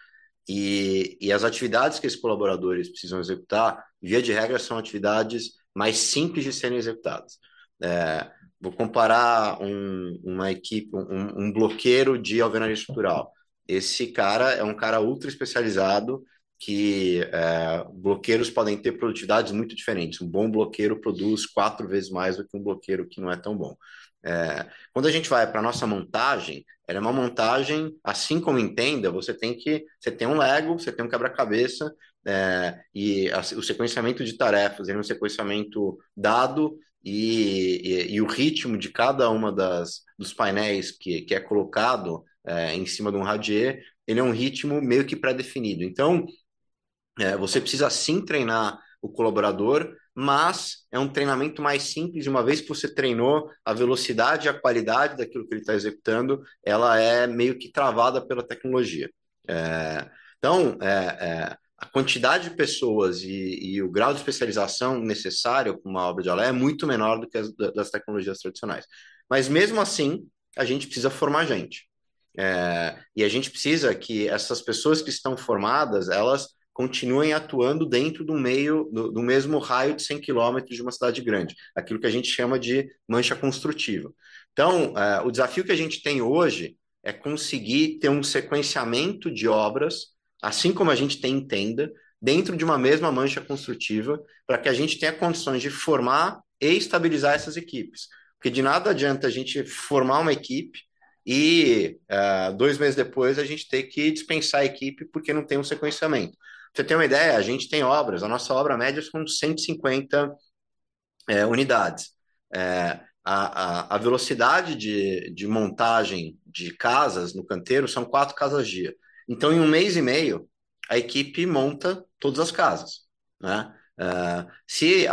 As atividades que esses colaboradores precisam executar, via de regra, são atividades mais simples de serem executadas. Vou comparar uma equipe, um bloqueiro de alvenaria estrutural. Esse cara é um cara ultraespecializado que bloqueiros podem ter produtividades muito diferentes. Um bom bloqueiro produz quatro vezes mais do que um bloqueiro que não é tão bom. Quando a gente vai pra nossa montagem, ela é uma montagem, assim como entenda, você tem um Lego, você tem um quebra-cabeça, e o sequenciamento de tarefas, ele é um sequenciamento dado e o ritmo de cada uma dos painéis que é colocado em cima de um radier, ele é um ritmo meio que pré-definido. Então, você precisa sim treinar o colaborador, mas é um treinamento mais simples. Uma vez que você treinou a velocidade e a qualidade daquilo que ele tá executando, ela é meio que travada pela tecnologia, então a quantidade de pessoas e o grau de especialização necessário pra uma obra de Alea é muito menor do que das tecnologias tradicionais. Mas mesmo assim, a gente precisa formar gente. A gente precisa que essas pessoas que estão formadas, elas continuem atuando dentro do meio, do mesmo raio de 100 km de uma cidade grande, aquilo que a gente chama de mancha construtiva. O desafio que a gente tem hoje é conseguir ter um sequenciamento de obras, assim como a gente tem Tenda, dentro de uma mesma mancha construtiva, pra que a gente tenha condições de formar e estabilizar essas equipes, porque de nada adianta a gente formar uma equipe e dois meses depois a gente ter que dispensar a equipe porque não tem um sequenciamento. Pra cê ter uma ideia, a gente tem obras, a nossa obra média são de 150 unidades. A velocidade de montagem de casas no canteiro são 4 casas/dia. Então em um mês e meio, a equipe monta todas as casas, né? Se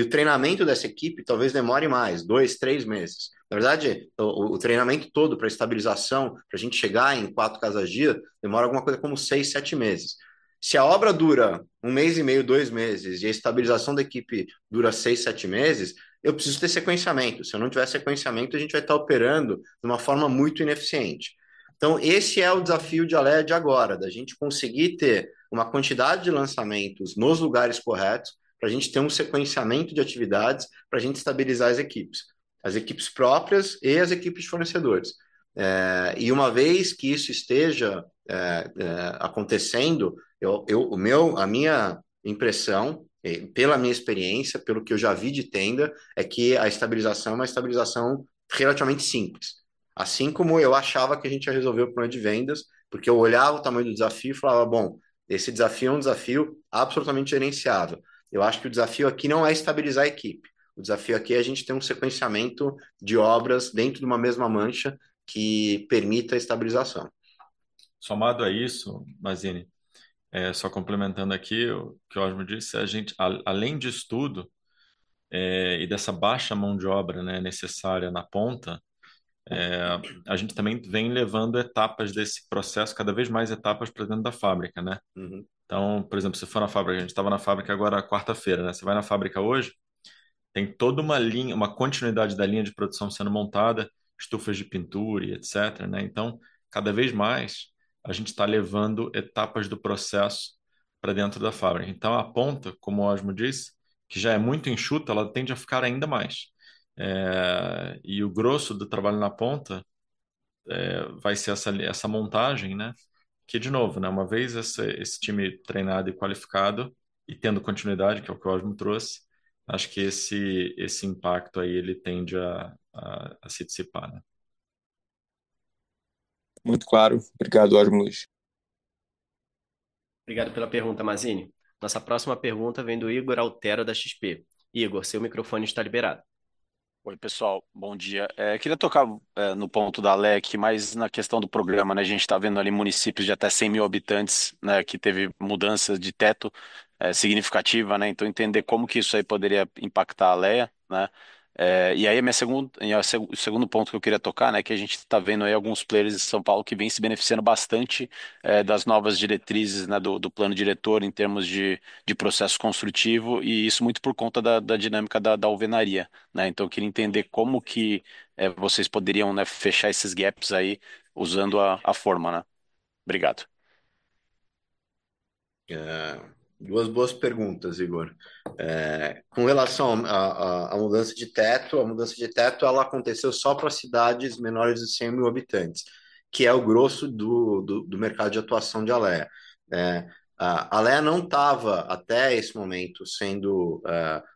o treinamento dessa equipe talvez demore mais 2, 3 meses. Na verdade, o treinamento todo pra estabilização, pra gente chegar em 4 casas/dia, demora alguma coisa como 6, 7 meses. Se a obra dura 1 mês e meio, 2 meses, e a estabilização da equipe dura 6, 7 meses, eu preciso ter sequenciamento. Se eu não tiver sequenciamento, a gente vai tá operando de uma forma muito ineficiente. Esse é o desafio de Alea de agora, da gente conseguir ter uma quantidade de lançamentos nos lugares corretos, pra gente ter um sequenciamento de atividades, pra gente estabilizar as equipes, as equipes próprias e as equipes de fornecedores. Uma vez que isso esteja acontecendo, a minha impressão, pela minha experiência, pelo que eu já vi de Tenda, é que a estabilização é uma estabilização relativamente simples. Assim como eu achava que a gente ia resolver o problema de vendas, porque eu olhava o tamanho do desafio e falava: "Bom, esse desafio é um desafio absolutamente gerenciável". Eu acho que o desafio aqui não é estabilizar a equipe. O desafio aqui é a gente ter um sequenciamento de obras dentro de uma mesma mancha que permita a estabilização. Somado a isso, Mazini, só complementando aqui o que o Osmo disse, a gente, além disso tudo, e dessa baixa mão de obra, né, necessária na ponta, a gente também vem levando etapas desse processo, cada vez mais etapas pra dentro da fábrica, né? Então, por exemplo, se for na fábrica, a gente tava na fábrica agora quarta-feira, né? Cê vai na fábrica hoje, tem toda uma linha, uma continuidade da linha de produção sendo montada, estufas de pintura e etc, né? Então, cada vez mais, a gente tá levando etapas do processo pra dentro da fábrica. Então a ponta, como o Osmo disse, que já é muito enxuta, ela tende a ficar ainda mais. O grosso do trabalho na ponta vai ser essa montagem, né, que de novo, né, uma vez esse time treinado e qualificado, e tendo continuidade, que é o que o Osmo trouxe, acho que esse impacto aí ele tende a se dissipar, né? Muito claro. Obrigado, Osmo e Luiz. Obrigado pela pergunta, Mazini. Nossa próxima pergunta vem do Ygor Altero, da XP. Ygor, seu microfone está liberado. Oi, pessoal. Bom dia. Queria tocar no ponto da Alea, que mais na questão do programa, né, a gente tá vendo ali municípios de até 100,000 habitantes, né, que teve mudança de teto significativa, né? Então entender como que isso aí poderia impactar a Alea, né? O segundo ponto que eu queria tocar, né, que a gente tá vendo aí alguns players em São Paulo que vêm se beneficiando bastante das novas diretrizes, né, do plano diretor em termos de processo construtivo, e isso muito por conta da dinâmica da alvenaria, né? Então eu queria entender como que vocês poderiam fechar esses gaps aí usando a forma, né? Obrigado. Duas boas perguntas, Ygor. Com relação à mudança de teto, a mudança de teto ela aconteceu só pra cidades menores de 100,000 habitantes, que é o grosso do mercado de atuação de Alea, né? A Alea não tava, até esse momento, sendo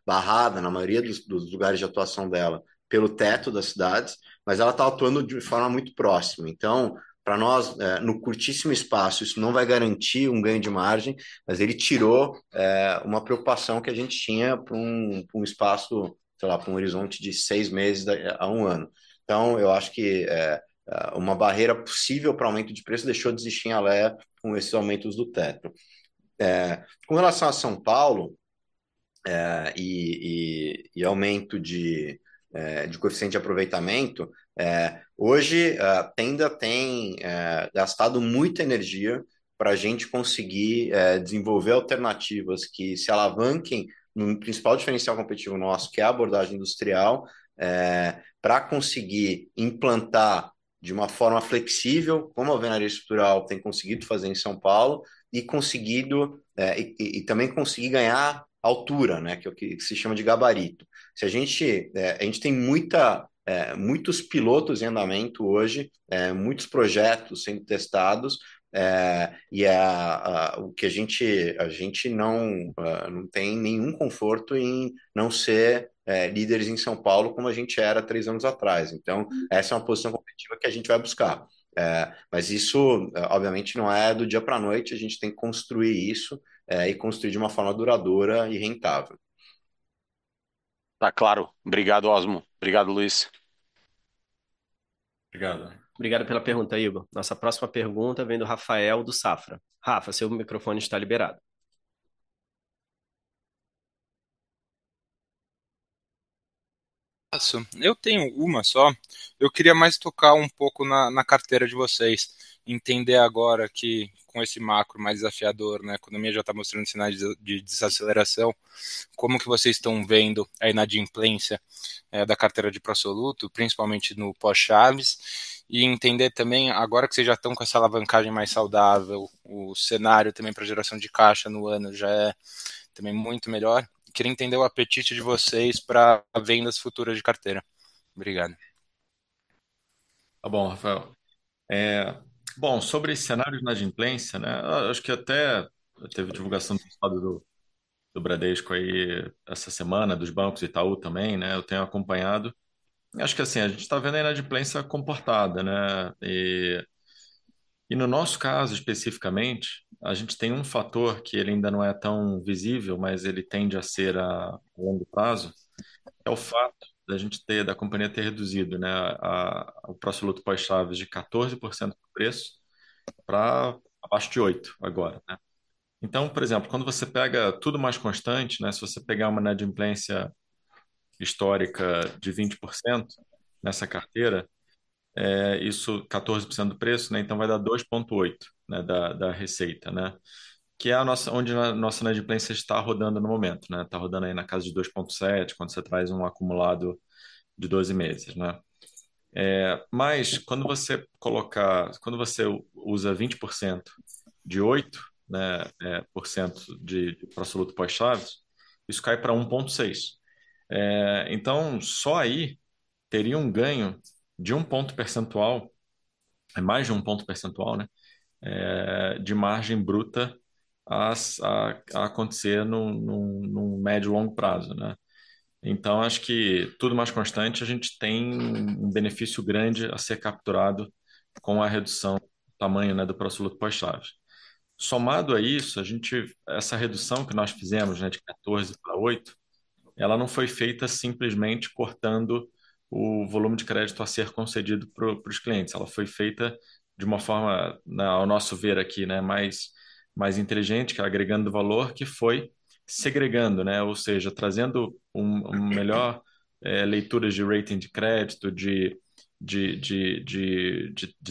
barrada na maioria dos lugares de atuação dela pelo teto das cidades, mas ela tá atuando de forma muito próxima. Então, pra nós, né, no curtíssimo prazo, isso não vai garantir um ganho de margem, mas ele tirou uma preocupação que a gente tinha prum prazo, sei lá, prum horizonte de 6 meses a 1 ano. Então eu acho que uma barreira possível pra aumento de preço deixou de existir em Alea com esses aumentos do teto. Com relação a São Paulo, aumento de coeficiente de aproveitamento, hoje a Tenda tem gastado muita energia pra gente conseguir desenvolver alternativas que se alavanquem no principal diferencial competitivo nosso, que é a abordagem industrial, pra conseguir implantar de uma forma flexível, como a alvenaria estrutural tem conseguido fazer em São Paulo e também conseguir ganhar altura, né, que é o que se chama de gabarito. Se a gente tem muitos pilotos em andamento hoje, muitos projetos sendo testados, o que a gente não tem nenhum conforto em não ser líderes em São Paulo como a gente era três anos atrás. Essa é uma posição competitiva que a gente vai buscar. Isso, obviamente, não é do dia pra noite, a gente tem que construir isso e construir de uma forma duradoura e rentável. Tá claro. Obrigado, Osmo. Obrigado, Luiz. Obrigado. Obrigado pela pergunta, Igor. Nossa próxima pergunta vem do Rafael, do Safra. Rafa, seu microfone está liberado. Eu tenho uma só. Eu queria mais tocar um pouco na carteira de vocês. Entender agora que com esse macro mais desafiador, né, a economia já tá mostrando sinais de desaceleração, como que vocês tão vendo a inadimplência da carteira de Pro Soluto, principalmente no pós-chaves. Entender também, agora que cês já tão com essa alavancagem mais saudável, o cenário também pra geração de caixa no ano já é também muito melhor. Queria entender o apetite de vocês pra vendas futuras de carteira. Obrigado. Tá bom, Rafael. Sobre cenário de inadimplência, né, acho que até teve divulgação do resultado do Bradesco aí essa semana, dos bancos Itaú também, né? Eu tenho acompanhado. Acho que assim, a gente tá vendo a inadimplência comportada, né? No nosso caso, especificamente, a gente tem um fator que ele ainda não é tão visível, mas ele tende a ser a longo prazo, é o fato da companhia ter reduzido, né, o Pro Soluto pós-chaves de 14% do preço pra abaixo de 8 agora, né? Então, por exemplo, quando você pega tudo mais constante, né, se você pegar uma inadimplência histórica de 20% nessa carteira, 14% do preço, né, então vai dar 2.8, né, da receita, né? Que é onde a nossa inadimplência está rodando no momento, né? Tá rodando aí na casa de 2.7, quando cê traz um acumulado de 12 meses, né? Mas quando você usa 20% de 8%, né, de pró-soluto pós-chaves, isso cai pra 1.6. Então só aí teria um ganho de um ponto percentual, mais de um ponto percentual, né, de margem bruta a se acontecer no médio a longo prazo, né? Então acho que tudo mais constante, a gente tem um benefício grande a ser capturado com a redução do tamanho, né, do pró-soluto pós-chaves. Somado a isso, essa redução que nós fizemos, né, de 14 pra 8, ela não foi feita simplesmente cortando o volume de crédito a ser concedido pros clientes. Ela foi feita de uma forma ao nosso ver aqui, né, mais inteligente, que é agregando valor, que foi segregando, né? Trazendo uma melhor leitura de rating de crédito, de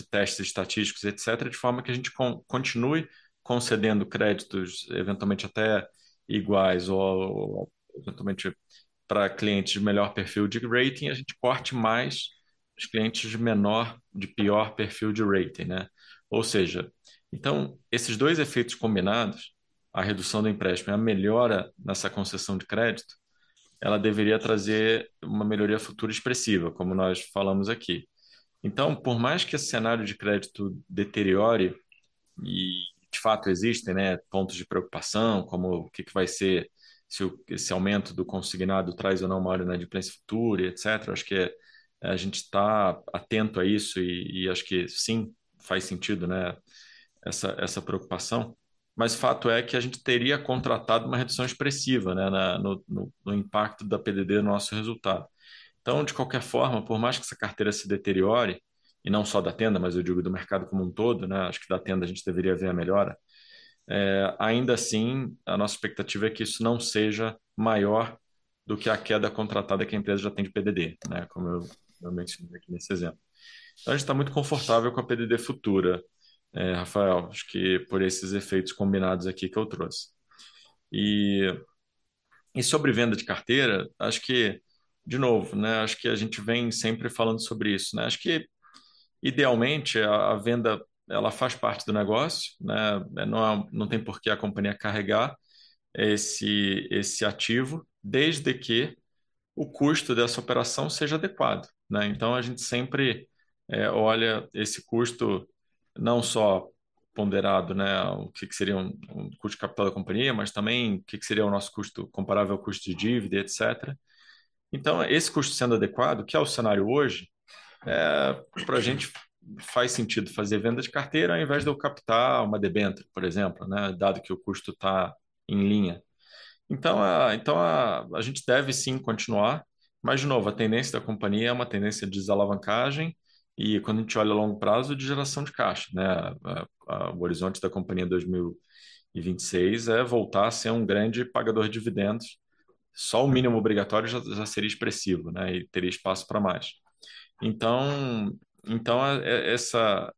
testes estatísticos, etc., de forma que a gente continue concedendo créditos eventualmente até iguais ou eventualmente pra clientes de melhor perfil de rating, a gente corte mais os clientes de menor, de pior perfil de rating, né? Ou seja. Esses dois efeitos combinados, a redução do empréstimo e a melhora nessa concessão de crédito, ela deveria trazer uma melhoria futura expressiva, como nós falamos aqui. Por mais que esse cenário de crédito deteriore, e de fato existem, né, pontos de preocupação, como o que vai ser se o esse aumento do consignado traz ou não uma era de inadimplência futura, etc. Acho que a gente tá atento a isso e acho que sim, faz sentido, né, essa preocupação. O fato é que a gente teria contratado uma redução expressiva, né, no impacto da PDD no nosso resultado. De qualquer forma, por mais que essa carteira se deteriore, e não só da Tenda, mas eu digo do mercado como um todo, né? Acho que da Tenda a gente deveria ver a melhora. Ainda assim, a nossa expectativa é que isso não seja maior do que a queda contratada que a empresa já tem de PDD, né? Como eu mencionei aqui nesse exemplo. A gente tá muito confortável com a PDD futura, Rafael, acho que por esses efeitos combinados aqui que eu trouxe. E sobre venda de carteira, acho que, de novo, né, acho que a gente vem sempre falando sobre isso, né? Acho que idealmente a venda ela faz parte do negócio, né? Não há, não tem por que a companhia carregar esse ativo, desde que o custo dessa operação seja adequado, né? Então a gente sempre olha esse custo não só ponderado, né, o que que seria um custo de capital da companhia, mas também o que que seria o nosso custo comparável ao custo de dívida, etc. Então esse custo sendo adequado, que é o cenário hoje, pra gente faz sentido fazer venda de carteira, ao invés de eu captar uma debênture, por exemplo, né? Dado que o custo tá em linha. Então a gente deve sim continuar. Mas de novo, a tendência da companhia é uma tendência de desalavancagem e quando a gente olha a longo prazo, de geração de caixa, né? O horizonte da companhia em 2026 é voltar a ser um grande pagador de dividendos. Só o mínimo obrigatório já seria expressivo, né? Teria espaço pra mais. Essa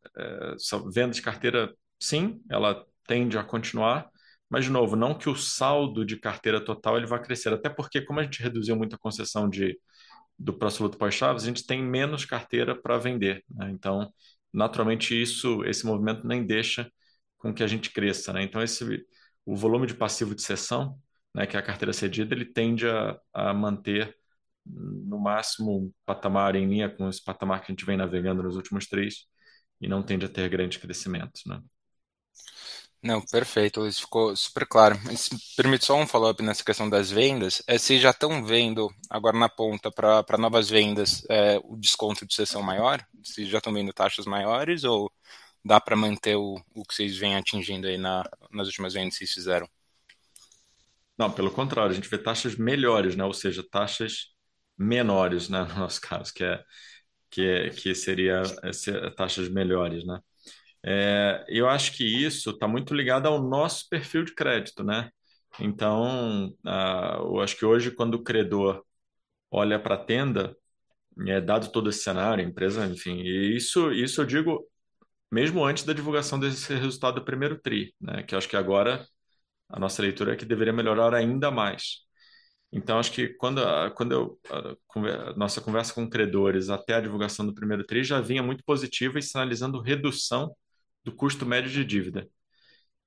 venda de carteira, sim, ela tende a continuar. De novo, não que o saldo de carteira total ele vá crescer. Até porque como a gente reduziu muito a concessão de do pró-soluto pós-chaves, a gente tem menos carteira pra vender, né? Naturalmente, isso, esse movimento nem deixa com que a gente cresça, né? Esse, o volume de passivo de cessão, né, que é a carteira cedida, ele tende a manter no máximo um patamar em linha com esse patamar que a gente vem navegando nos últimos três e não tende a ter grande crescimento, né? Não, perfeito, Luiz, ficou super claro. Me permite só um follow up nessa questão das vendas? Se já tão vendo agora na ponta pra novas vendas, o desconto de cessão maior? Se já tão vendo taxas maiores ou dá pra manter o que cês vêm atingindo aí nas últimas vendas que vocês fizeram? Não, pelo contrário, a gente vê taxas melhores, né? Ou seja, taxas menores, né, no nosso caso, que é Que seria essa taxas melhores, né? Eu acho que isso tá muito ligado ao nosso perfil de crédito, né? Eu acho que hoje quando o credor olha para Tenda, dado todo esse cenário, a empresa, enfim, e isso eu digo mesmo antes da divulgação desse resultado do primeiro tri, né? Eu acho que agora a nossa leitura é que deveria melhorar ainda mais. Acho que a nossa conversa com credores até a divulgação do primeiro tri já vinha muito positiva e sinalizando redução do custo médio de dívida.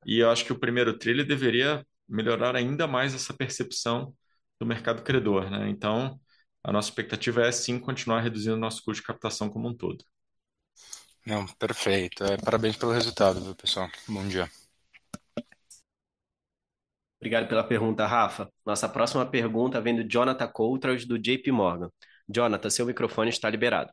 Eu acho que o primeiro tri ele deveria melhorar ainda mais essa percepção do mercado credor, né? A nossa expectativa é sim continuar reduzindo o nosso custo de captação como um todo. Não, perfeito. É, parabéns pelo resultado, viu, pessoal? Bom dia. Obrigado pela pergunta, Rafa. Nossa próxima pergunta vem do Jonathan Koutras, do JP Morgan. Jonathan, seu microfone está liberado.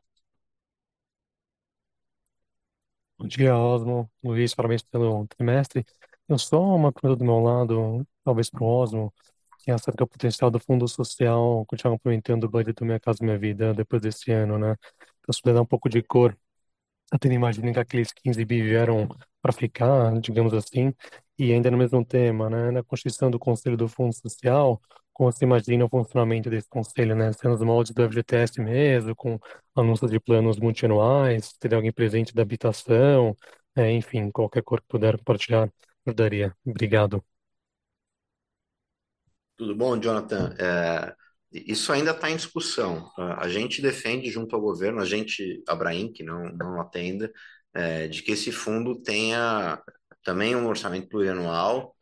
Bom dia, Osmo, Luiz, parabéns pelo trimestre. Eu só uma coisa do meu lado, talvez pro Osmo, que é saber o potencial do fundo social continuar complementando o budget do Minha Casa, Minha Vida depois desse ano, né? Pra se ter um pouco de cor, tendo em conta imaginando que aqueles 15 billion vieram pra ficar, digamos assim. Ainda no mesmo tema, né, na construção do conselho do fundo social, como você imagina o funcionamento desse conselho, né? Sendo nos moldes do FGTS mesmo, com anúncio de planos multianuais, teria alguém presente da habitação, né, enfim, qualquer coisa que puder compartilhar ajudaria. Obrigado. Tudo bom, Jonathan? Isso ainda tá em discussão. A gente defende junto ao governo, a gente, a ABRAINC, não a Tenda, de que esse fundo tenha também um orçamento plurianual,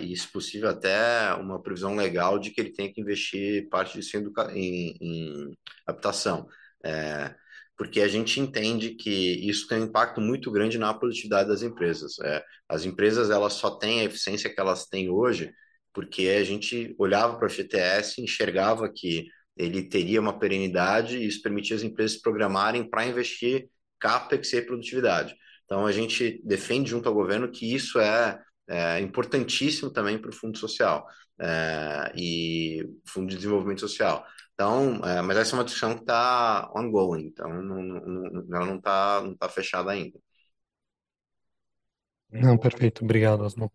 e se possível até uma previsão legal de que ele tenha que investir parte disso em habitação. Porque a gente entende que isso tem um impacto muito grande na produtividade das empresas. As empresas elas só têm a eficiência que elas têm hoje, porque a gente olhava pro FGTS e enxergava que ele teria uma perenidade e isso permitia as empresas programarem pra investir Capex e produtividade. A gente defende junto ao governo que isso é importantíssimo também pro fundo social, e Fundo de Desenvolvimento Social. Essa é uma discussão que tá ongoing, então ela não tá fechada ainda. Não, perfeito. Obrigado, Osmo.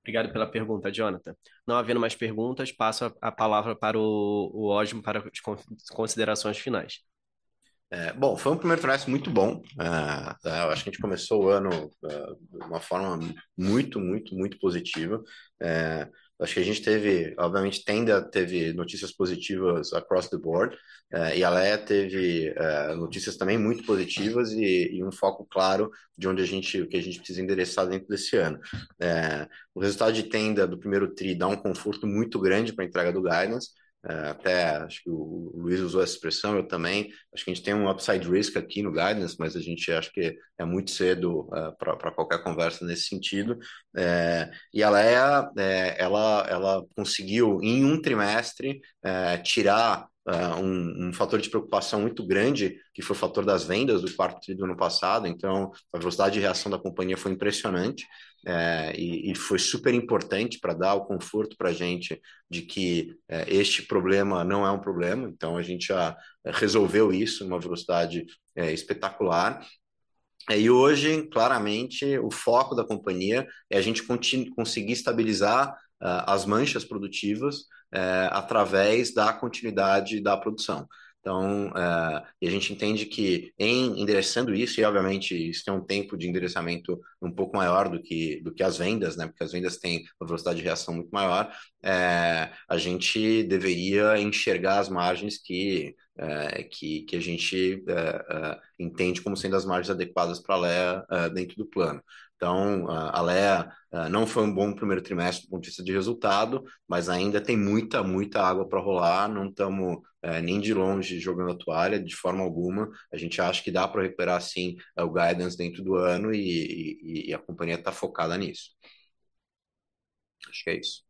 Obrigado pela pergunta, Jonathan. Não havendo mais perguntas, passo a palavra para o Osmo para as considerações finais. Bom, foi um primeiro trimestre muito bom. Eu acho que a gente começou o ano de uma forma muito positiva. Acho que a gente teve, obviamente Tenda teve notícias positivas across the board, e a Alea teve notícias também muito positivas e um foco claro do que a gente precisa endereçar dentro desse ano. O resultado de Tenda do primeiro tri dá um conforto muito grande pra entrega do guidance. Até acho que o Luiz usou essa expressão, eu também. Acho que a gente tem um upside risk aqui no guidance, mas a gente acha que é muito cedo pra qualquer conversa nesse sentido. A Alea, ela conseguiu em um trimestre tirar um fator de preocupação muito grande, que foi o fator das vendas do quarto tri do ano passado. A velocidade de reação da companhia foi impressionante, e foi superimportante para dar o conforto para gente de que este problema não é um problema. A gente já resolveu isso numa velocidade espetacular. Hoje, claramente, o foco da companhia é a gente conseguir estabilizar as manchas construtivas através da continuidade da produção. A gente entende que em endereçando isso, e obviamente isso tem um tempo de endereçamento um pouco maior do que as vendas, né? Porque as vendas têm uma velocidade de reação muito maior, a gente deveria enxergar as margens que a gente entende como sendo as margens adequadas pra Alea, dentro do plano. Então a Alea não foi um bom primeiro trimestre do ponto de vista de resultado, mas ainda tem muita água pra rolar. Não estamos nem de longe jogando a toalha, de forma alguma. A gente acha que dá pra recuperar, sim, o guidance dentro do ano e a companhia tá focada nisso. Acho que é isso.